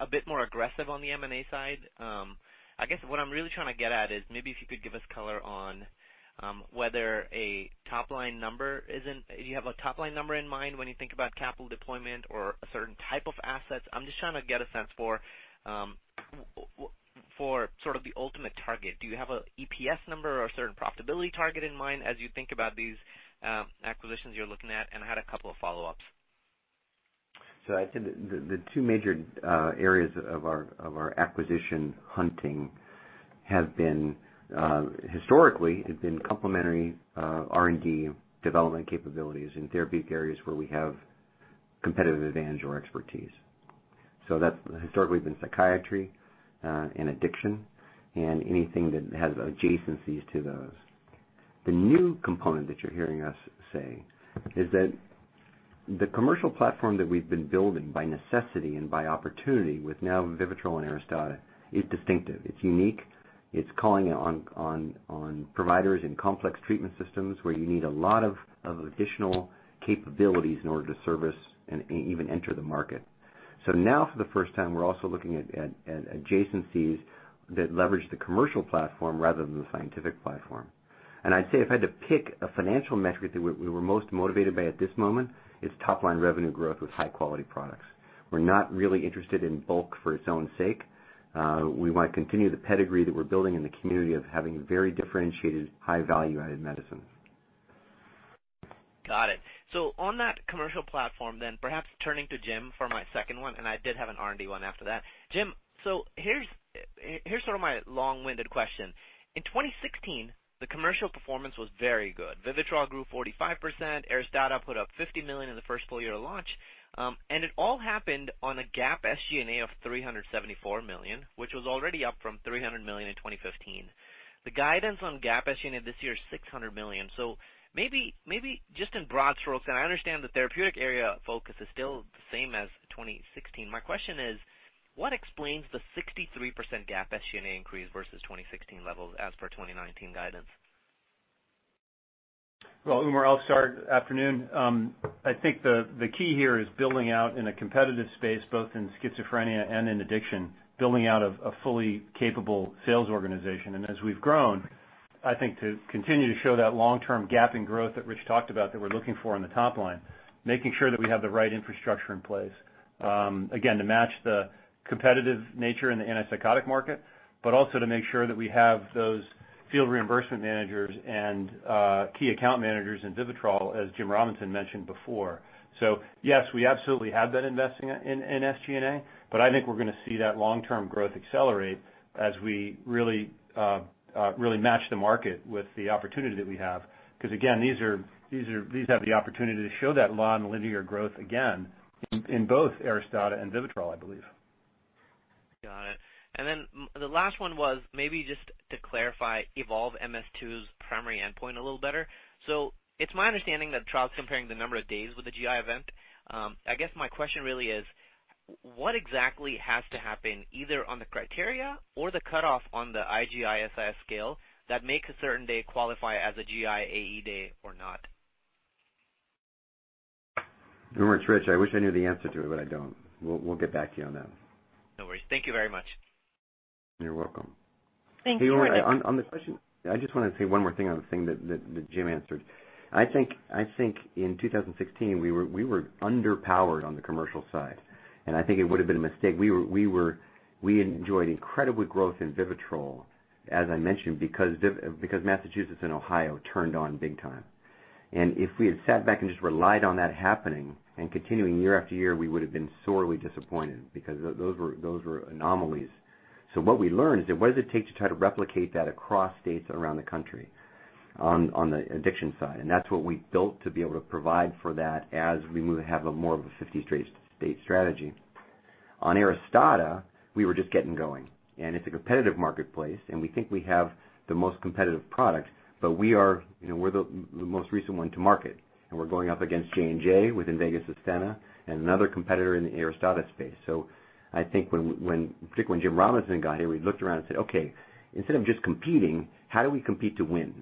a bit more aggressive on the M&A side? I guess what I'm really trying to get at is maybe if you could give us color on. Do you have a top-line number in mind when you think about capital deployment or a certain type of asset? I'm just trying to get a sense for the ultimate target. Do you have an EPS number or a certain profitability target in mind as you think about these acquisitions you're looking at? I had a couple of follow-ups. I'd say that the two major areas of our acquisition hunting have been, historically, complementary R&D development capabilities in therapeutic areas where we have competitive advantage or expertise. That's historically been psychiatry and addiction and anything that has adjacencies to those. The new component that you're hearing us say is that the commercial platform that we've been building by necessity and by opportunity with now VIVITROL and ARISTADA is distinctive. It's unique. It's calling on providers in complex treatment systems, where you need a lot of additional capabilities in order to service and even enter the market. Now for the first time, we're also looking at adjacencies that leverage the commercial platform rather than the scientific platform. I'd say if I had to pick a financial metric that we're most motivated by at this moment, it's top-line revenue growth with high-quality products. We're not really interested in bulk for its own sake. We want to continue the pedigree that we're building in the community of having very differentiated, high value-added medicines. Got it. On that commercial platform, perhaps turning to James Frates for my second one, and I did have an R&D one after that. James Frates, here's my long-winded question. In 2016, the commercial performance was very good. VIVITROL grew 45%, ARISTADA put up $50 million in the first full year of launch. It all happened on a GAAP SG&A of $374 million, which was already up from $300 million in 2015. The guidance on GAAP SG&A this year is $600 million. Maybe just in broad strokes, and I understand the therapeutic area focus is still the same as 2016. My question is, what explains the 63% GAAP SG&A increase versus 2016 levels as per 2019 guidance? Well, Umer Raffat, I'll start. Afternoon. I think the key here is building out in a competitive space, both in schizophrenia and in addiction, building out a fully capable sales organization. As we've grown, I think to continue to show that long-term GAAP growth that Richard Pops talked about that we're looking for on the top line, making sure that we have the right infrastructure in place, again, to match the competitive nature in the antipsychotic market, but also to make sure that we have those field reimbursement managers and key account managers in VIVITROL, as James Robinson mentioned before. Yes, we absolutely have been investing in SG&A, but I think we're going to see that long-term growth accelerate as we really match the market with the opportunity that we have. Again, these have the opportunity to show that long linear growth again in both ARISTADA and VIVITROL, I believe. Got it. Then the last one was maybe just to clarify EVOLVE-MS-2's primary endpoint a little better. It's my understanding that the trial's comparing the number of days with a GI event. I guess my question really is what exactly has to happen either on the criteria or the cutoff on the IGISIS scale that makes a certain day qualify as a GI AE day or not? Umer Raffat, it's Richard Pops. I wish I knew the answer to it, but I don't. We'll get back to you on that. No worries. Thank you very much. You're welcome. Thank you very much. On the question, I just want to say one more thing on the thing that James Frates answered. I think in 2016, we were underpowered on the commercial side, and I think it would've been a mistake. We enjoyed incredible growth in VIVITROL, as I mentioned, because Massachusetts and Ohio turned on big time. If we had sat back and just relied on that happening and continuing year after year, we would've been sorely disappointed because those were anomalies. What we learned is that what does it take to try to replicate that across states around the country on the addiction side, and that's what we built to be able to provide for that as we have more of a 50 state strategy. On ARISTADA, we were just getting going. It's a competitive marketplace, and we think we have the most competitive product, but we're the most recent one to market, and we're going up against J&J with INVEGA SUSTENNA and another competitor in the ARISTADA space. I think particularly when James Robinson got here, we looked around and said, "Okay, instead of just competing, how do we compete to win?"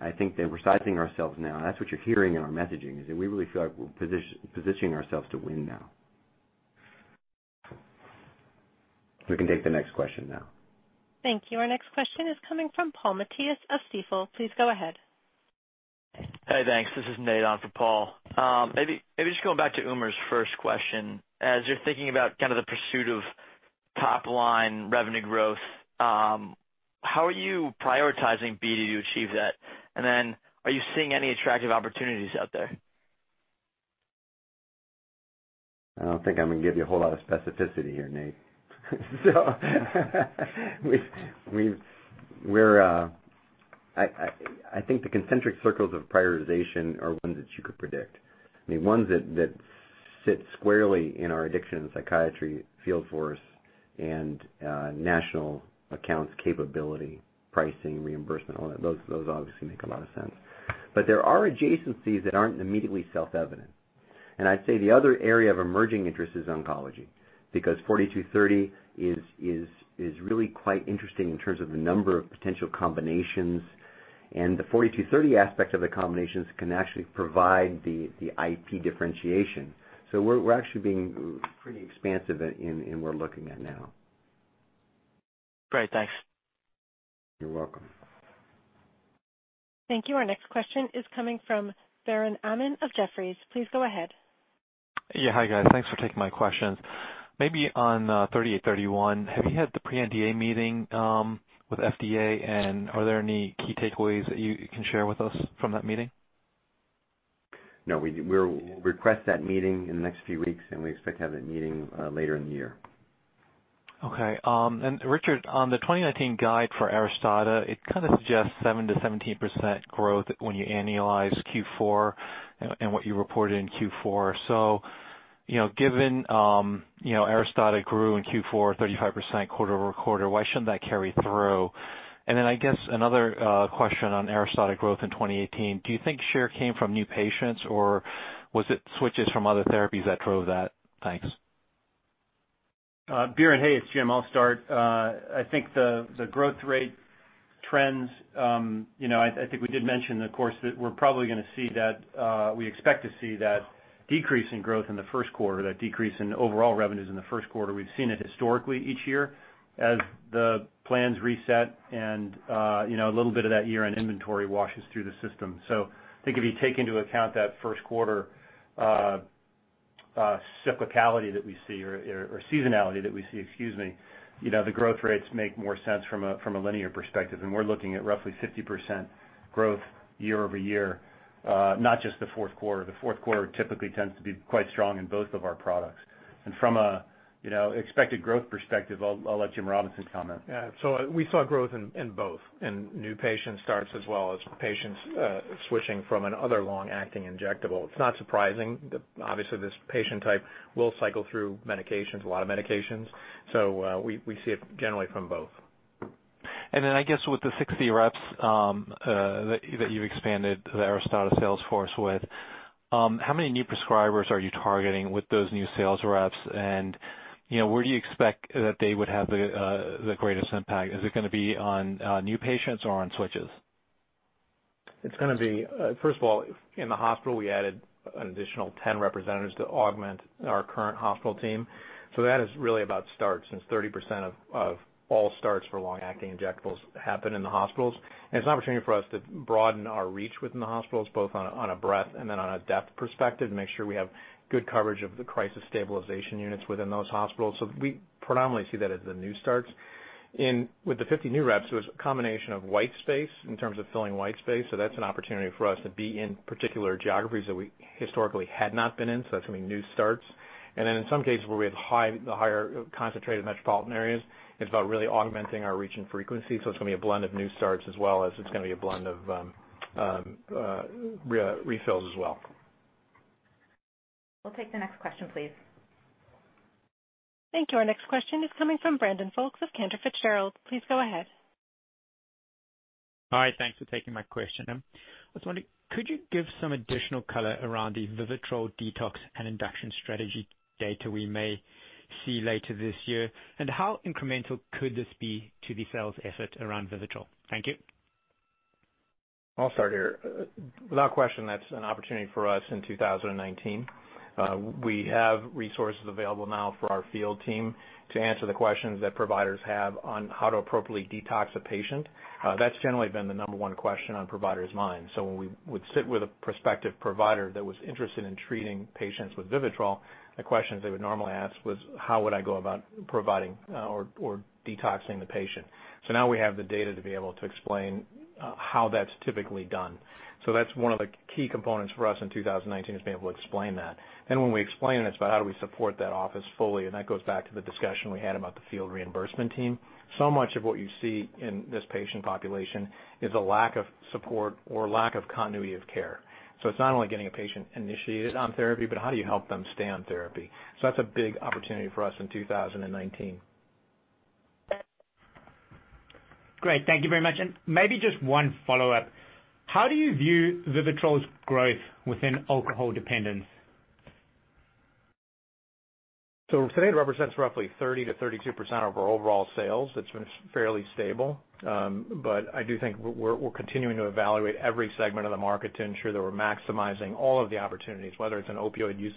I think that we're sizing ourselves now, and that's what you're hearing in our messaging is that we really feel like we're positioning ourselves to win now. We can take the next question now. Thank you. Our next question is coming from Paul Matteis of Stifel. Please go ahead. Hey, thanks. This is Nate on for Paul Matteis. Maybe just going back to Umer Raffat's first question. As you're thinking about the pursuit of top-line revenue growth, how are you prioritizing BD to achieve that? Then are you seeing any attractive opportunities out there? I don't think I'm going to give you a whole lot of specificity here, Nate. I think the concentric circles of prioritization are ones that you could predict. I mean, ones that sit squarely in our addiction and psychiatry field force and national accounts capability, pricing, reimbursement, all that. Those obviously make a lot of sense. There are adjacencies that aren't immediately self-evident I'd say the other area of emerging interest is oncology, because ALKS 4230 is really quite interesting in terms of the number of potential combinations, and the ALKS 4230 aspect of the combinations can actually provide the IP differentiation. We're actually being pretty expansive in what we're looking at now. Great. Thanks. You're welcome. Thank you. Our next question is coming from Biren Amin of Jefferies. Please go ahead. Yeah. Hi, guys. Thanks for taking my questions. Maybe on ALKS 3831, have you had the pre-NDA meeting with FDA, and are there any key takeaways that you can share with us from that meeting? No, we'll request that meeting in the next few weeks, and we expect to have that meeting later in the year. Okay. Richard Pops, on the 2019 guide for ARISTADA, it kind of suggests 7%-17% growth when you annualize Q4 and what you reported in Q4. Given ARISTADA grew in Q4, 35% quarter-over-quarter, why shouldn't that carry through? I guess another question on ARISTADA growth in 2018, do you think share came from new patients, or was it switches from other therapies that drove that? Thanks. Biren Amin, hey, it's James Frates. I'll start. I think the growth rate trends, I think we did mention, of course, that we expect to see that decrease in growth in the first quarter, that decrease in overall revenues in the first quarter. We've seen it historically each year as the plans reset and a little bit of that year-end inventory washes through the system. I think if you take into account that first quarter cyclicality that we see or seasonality that we see, excuse me, the growth rates make more sense from a linear perspective. We're looking at roughly 50% growth year-over-year, not just the fourth quarter. The fourth quarter typically tends to be quite strong in both of our products. From an expected growth perspective, I'll let James Robinson comment. Yeah. We saw growth in both, in new patient starts as well as patients switching from another long-acting injectable. It's not surprising. Obviously, this patient type will cycle through medications, a lot of medications. We see it generally from both. I guess with the 60 reps that you've expanded the ARISTADA sales force with, how many new prescribers are you targeting with those new sales reps? Where do you expect that they would have the greatest impact? Is it going to be on new patients or on switches? It's going to be, first of all, in the hospital, we added an additional 10 representatives to augment our current hospital team. That is really about starts, since 30% of all starts for long-acting injectables happen in the hospitals. It's an opportunity for us to broaden our reach within the hospitals, both on a breadth and then on a depth perspective, to make sure we have good coverage of the crisis stabilization units within those hospitals. We predominantly see that as the new starts. With the 50 new reps, it was a combination of white space in terms of filling white space. That's an opportunity for us to be in particular geographies that we historically had not been in. That's going to be new starts. In some cases, where we have the highly concentrated metropolitan areas, it's about really augmenting our reach and frequency. It's going to be a blend of new starts as well as it's going to be a blend of refills as well. We'll take the next question, please. Thank you. Our next question is coming from Brandon Folkes of Cantor Fitzgerald. Please go ahead. Hi, thanks for taking my question. I was wondering, could you give some additional color around the VIVITROL detox and induction strategy data we may see later this year? How incremental could this be to the sales effort around VIVITROL? Thank you. I'll start here. Without question, that's an opportunity for us in 2019. We have resources available now for our field team to answer the questions that providers have on how to appropriately detox a patient. That's generally been the number one question on provider's minds. When we would sit with a prospective provider that was interested in treating patients with VIVITROL, the questions they would normally ask was, "How would I go about providing or detoxing the patient?" Now we have the data to be able to explain how that's typically done. That's one of the key components for us in 2019 is being able to explain that. When we explain this about how do we support that office fully, and that goes back to the discussion we had about the field reimbursement team. Much of what you see in this patient population is a lack of support or lack of continuity of care. It's not only getting a patient initiated on therapy, but how do you help them stay on therapy? That's a big opportunity for us in 2019. Great. Thank you very much. Maybe just one follow-up. How do you view VIVITROL's growth within alcohol dependence? Today, it represents roughly 30%-32% of our overall sales. It's been fairly stable. I do think we're continuing to evaluate every segment of the market to ensure that we're maximizing all of the opportunities, whether it's an opioid use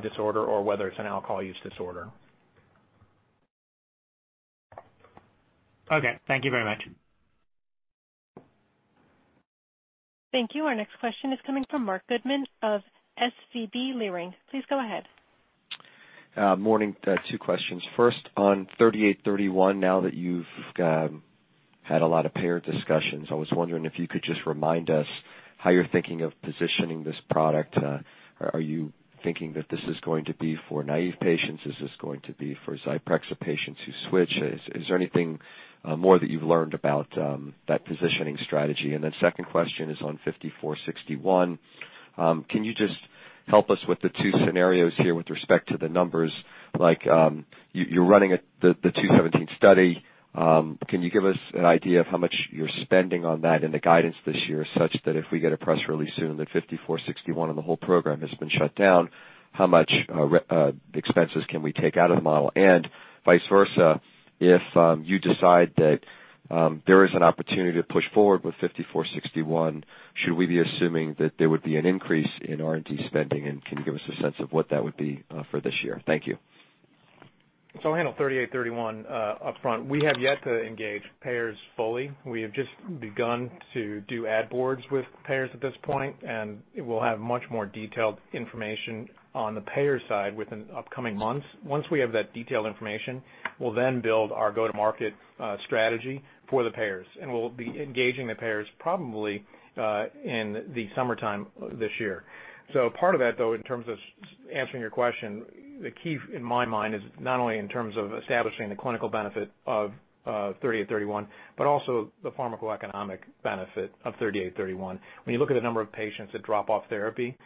disorder or whether it's an alcohol use disorder. Okay. Thank you very much. Thank you. Our next question is coming from Marc Goodman of SVB Leerink. Please go ahead. Morning. Two questions. First, on ALKS 3831, now that you've had a lot of payer discussions, I was wondering if you could just remind us how you're thinking of positioning this product. Are you thinking that this is going to be for naive patients? Is this going to be for Zyprexa patients who switch? Is there anything more that you've learned about that positioning strategy? Second question is on ALKS 5461. Can you just help us with the two scenarios here with respect to the numbers? Like, you're running the study 217. Can you give us an idea of how much you're spending on that in the guidance this year, such that if we get a press release soon that ALKS 5461 and the whole program has been shut down, how much expenses can we take out of the model? Vice versa, if you decide that there is an opportunity to push forward with ALKS 5461, should we be assuming that there would be an increase in R&D spending? Can you give us a sense of what that would be for this year? Thank you. I'll handle ALKS 3831 upfront. We have yet to engage payers fully. We have just begun to do ad boards with payers at this point. We'll have much more detailed information on the payer side within upcoming months. Once we have that detailed information, we'll then build our go-to-market strategy for the payers. We'll be engaging the payers probably in the summertime this year. Part of that, though, in terms of answering your question, the key in my mind is not only in terms of establishing the clinical benefit of ALKS 3831, but also the pharmacoeconomic benefit of ALKS 3831. When you look at the number of patients that drop off therapy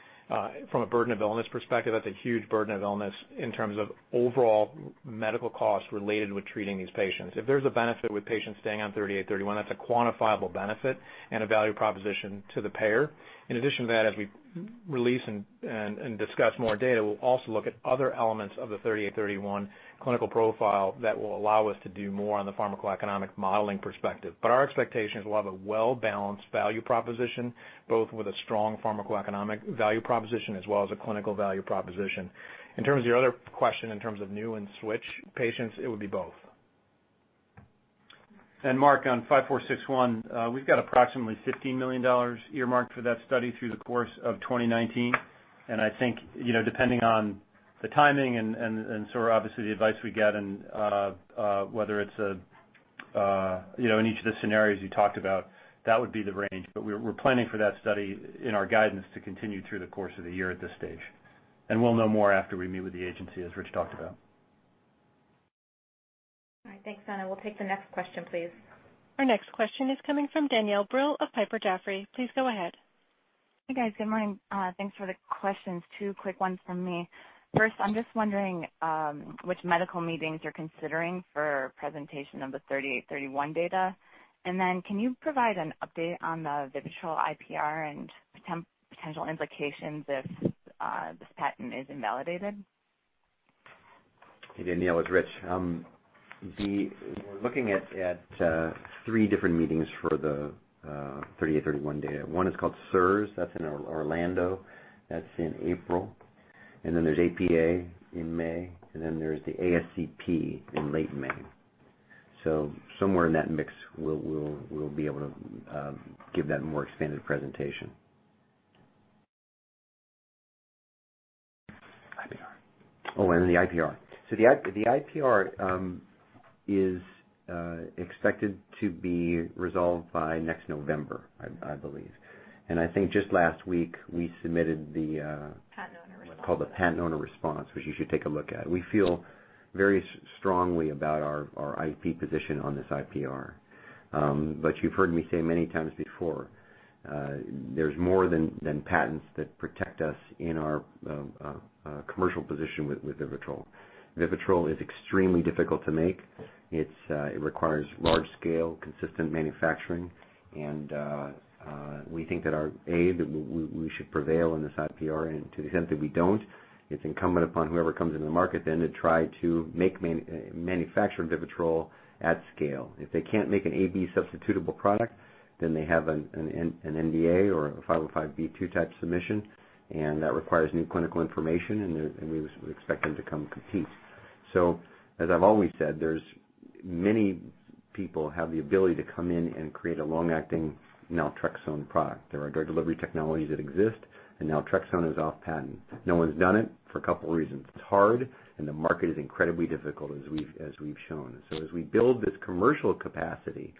from a burden of illness perspective, that's a huge burden of illness in terms of overall medical costs related with treating these patients. If there's a benefit with patients staying on ALKS 3831, that's a quantifiable benefit and a value proposition to the payer. In addition to that, as we release and discuss more data, we'll also look at other elements of the ALKS 3831 clinical profile that will allow us to do more on the pharmacoeconomic modeling perspective. Our expectation is we'll have a well-balanced value proposition, both with a strong pharmacoeconomic value proposition as well as a clinical value proposition. In terms of your other question, in terms of new and switch patients, it would be both. Marc Goodman, on ALKS 5461, we've got approximately $15 million earmarked for that study through the course of 2019. I think, depending on the timing and obviously the advice we get and whether it's in each of the scenarios you talked about, that would be the range. We're planning for that study in our guidance to continue through the course of the year at this stage. We'll know more after we meet with the agency, as Richard Pops talked about. All right. Thanks, Marc Goodman. We'll take the next question, please. Our next question is coming from Danielle Brill of Piper Sandler. Please go ahead. Hey, guys. Good morning. Thanks for the questions. Two quick ones from me. First, I'm just wondering which medical meetings you're considering for presentation of the ALKS 3831 data. Can you provide an update on the VIVITROL IPR and potential implications if this patent is invalidated? Hey, Danielle Brill, it's Richard Pops. We're looking at three different meetings for the ALKS 3831 data. One is called SIRS, that's in Orlando, that's in April. There's APA in May, and there's the ASCP in late May. Somewhere in that mix, we'll be able to give that more expanded presentation. Oh, the IPR. The IPR is expected to be resolved by next November, I believe. I think just last week, we submitted the. Patent owner response What's called the patent owner response, which you should take a look at. We feel very strongly about our IP position on this IPR. You've heard me say many times before, there's more than patents that protect us in our commercial position with VIVITROL. VIVITROL is extremely difficult to make. It requires large-scale, consistent manufacturing. We think that we should prevail in this IPR. To the extent that we don't, it's incumbent upon whoever comes into the market then to try to manufacture VIVITROL at scale. If they can't make an AB substitutable product, then they have an NDA or a 505(b)(2) type submission, and that requires new clinical information, and we expect them to come compete. As I've always said, many people have the ability to come in and create a long-acting naltrexone product. There are drug delivery technologies that exist, naltrexone is off patent. No one's done it for a couple of reasons. It's hard, and the market is incredibly difficult, as we've shown. As we build this commercial capacity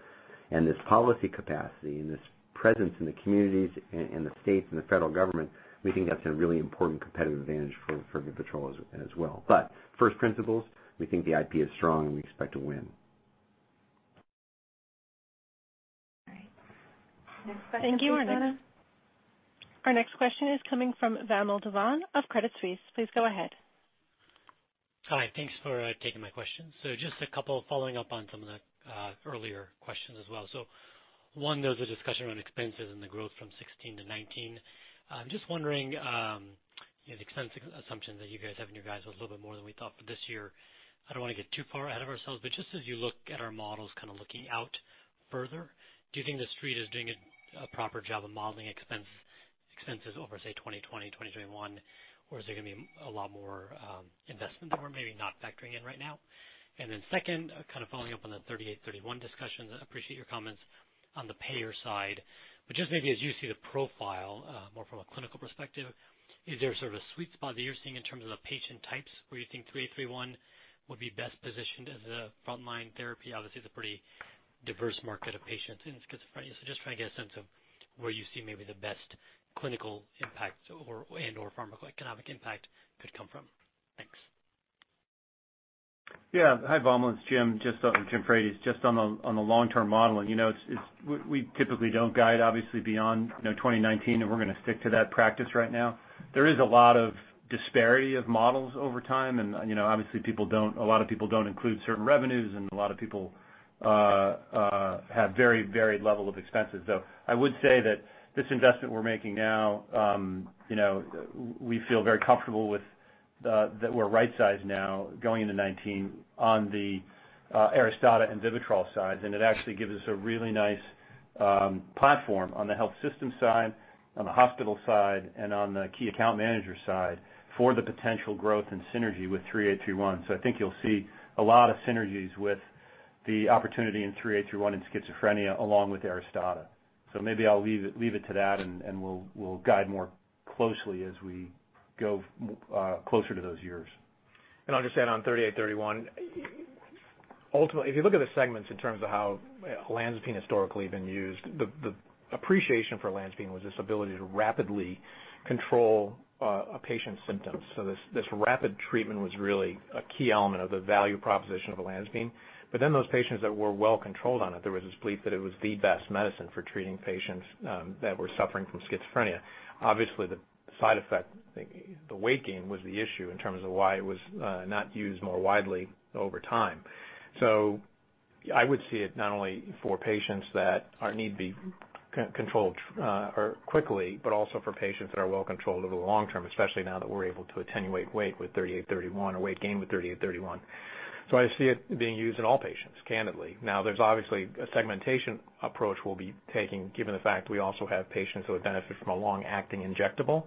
and this policy capacity and this presence in the communities and the states and the federal government, we think that's a really important competitive advantage for VIVITROL as well. First principles, we think the IP is strong, and we expect to win. All right. Next question, please. Thank you, Danielle Brill. Our next question is coming from Vamil Divan of Credit Suisse. Please go ahead. Hi. Thanks for taking my question. Just a couple following up on some of the earlier questions as well. One, there was a discussion around expenses and the growth from 2016 to 2019. I'm just wondering, the expense assumption that you guys have in your guys was a little bit more than we thought for this year. I don't want to get too far ahead of ourselves, but just as you look at our models kind of looking out further, do you think the Street is doing a proper job of modeling expenses over, say, 2020, 2021? Or is there going to be a lot more investment that we're maybe not factoring in right now? Second, kind of following up on the ALKS 3831 discussions, I appreciate your comments on the payer side. Just maybe as you see the profile more from a clinical perspective, is there sort of a sweet spot that you're seeing in terms of the patient types where you think ALKS 3831 would be best positioned as a frontline therapy? Obviously, it's a pretty diverse market of patients in schizophrenia. Just trying to get a sense of where you see maybe the best clinical impact and/or pharmacoeconomic impact could come from. Thanks. Yeah. Hi, Vamil Divan. It's James Robinson. Just on the long-term modeling, we typically don't guide, obviously, beyond 2019, we're going to stick to that practice right now. There is a lot of disparity of models over time, obviously a lot of people don't include certain revenues, a lot of people have very varied level of expenses. I would say that this investment we're making now, we feel very comfortable with We're right-sized now going into 2019 on the ARISTADA and VIVITROL sides. It actually gives us a really nice platform on the health system side, on the hospital side, and on the key account manager side for the potential growth and synergy with ALKS 3831. I think you'll see a lot of synergies with the opportunity in ALKS 3831 in schizophrenia, along with ARISTADA. Maybe I'll leave it to that, and we'll guide more closely as we go closer to those years. I'll just add on ALKS 3831. If you look at the segments in terms of how olanzapine historically had been used, the appreciation for olanzapine was this ability to rapidly control a patient's symptoms. This rapid treatment was really a key element of the value proposition of olanzapine. Those patients that were well-controlled on it, there was this belief that it was the best medicine for treating patients that were suffering from schizophrenia. Obviously, the side effect, the weight gain was the issue in terms of why it was not used more widely over time. I would see it not only for patients that need to be controlled quickly, but also for patients that are well-controlled over the long term, especially now that we're able to attenuate weight with ALKS 3831 or weight gain with ALKS 3831. I see it being used in all patients, candidly. There's obviously a segmentation approach we'll be taking given the fact we also have patients who would benefit from a long-acting injectable.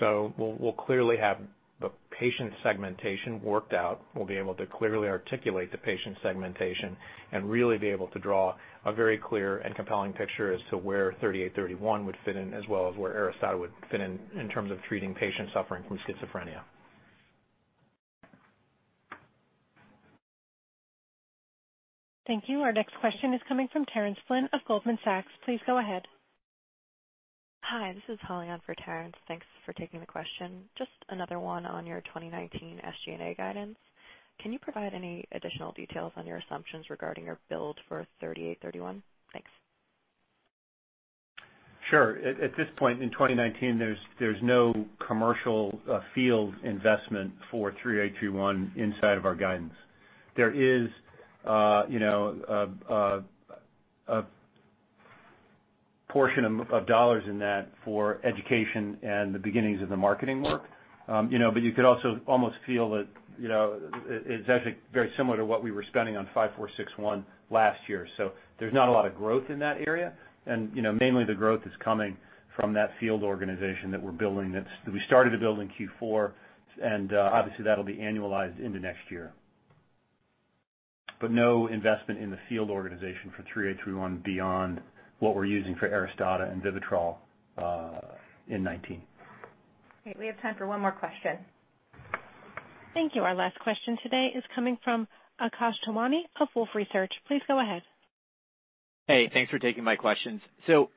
We'll clearly have the patient segmentation worked out. We'll be able to clearly articulate the patient segmentation and really be able to draw a very clear and compelling picture as to where ALKS 3831 would fit in, as well as where ARISTADA would fit in terms of treating patients suffering from schizophrenia. Thank you. Our next question is coming from Terence Flynn of Goldman Sachs. Please go ahead. Hi, this is Holly on for Terence Flynn. Thanks for taking the question. Just another one on your 2019 SG&A guidance. Can you provide any additional details on your assumptions regarding your build for ALKS 3831? Thanks. Sure. At this point in 2019, there's no commercial field investment for ALKS 3831 inside of our guidance. There is a portion of dollars in that for education and the beginnings of the marketing work. You could also almost feel that it's actually very similar to what we were spending on ALKS 5461 last year. There's not a lot of growth in that area, and mainly the growth is coming from that field organization that we started to build in Q4, and obviously, that'll be annualized into next year. No investment in the field organization for ALKS 3831 beyond what we're using for ARISTADA and VIVITROL in 2019. Great. We have time for one more question. Thank you. Our last question today is coming from Akash Tewari of Wolfe Research. Please go ahead. Hey, thanks for taking my questions.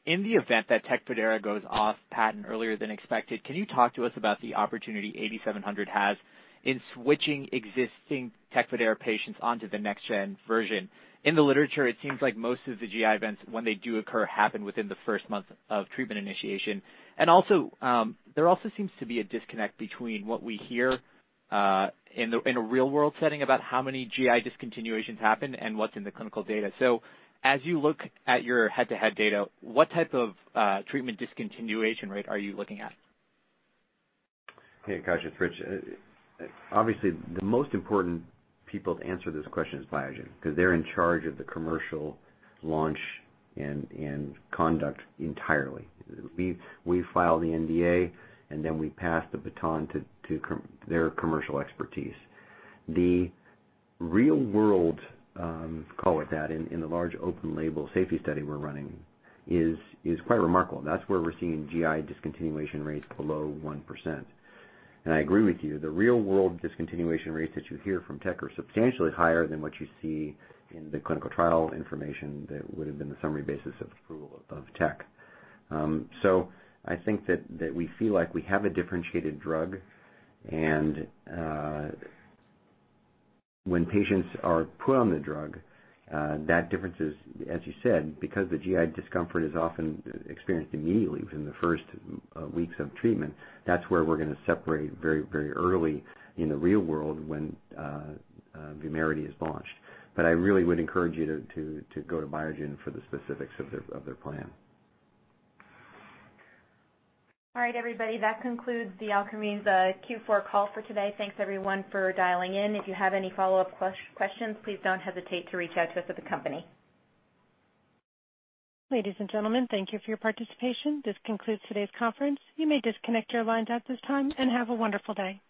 In the event that TECFIDERA goes off patent earlier than expected, can you talk to us about the opportunity ALKS 8700 has in switching existing TECFIDERA patients onto the next-gen version? In the literature, it seems like most of the GI events, when they do occur, happen within the first month of treatment initiation. There also seems to be a disconnect between what we hear in a real-world setting about how many GI discontinuations happen and what's in the clinical data. As you look at your head-to-head data, what type of treatment discontinuation rate are you looking at? Hey, Akash Tewari, it's Richard Pops. Obviously, the most important people to answer this question is Biogen because they're in charge of the commercial launch and conduct entirely. We file the NDA, we pass the baton to their commercial expertise. The real world, call it that, in the large open label safety study we're running is quite remarkable. That's where we're seeing GI discontinuation rates below 1%. I agree with you, the real world discontinuation rates that you hear from TECFIDERA are substantially higher than what you see in the clinical trial information that would have been the summary basis of the approval of TECFIDERA. I think that we feel like we have a differentiated drug, when patients are put on the drug, that difference is, as you said because the GI discomfort is often experienced immediately within the first weeks of treatment, that's where we're going to separate very early in the real world when VUMERITY is launched. I really would encourage you to go to Biogen for the specifics of their plan. All right, everybody. That concludes the Alkermes Q4 call for today. Thanks everyone for dialing in. If you have any follow-up questions, please don't hesitate to reach out to us at the company. Ladies and gentlemen, thank you for your participation. This concludes today's conference. You may disconnect your lines at this time, and have a wonderful day.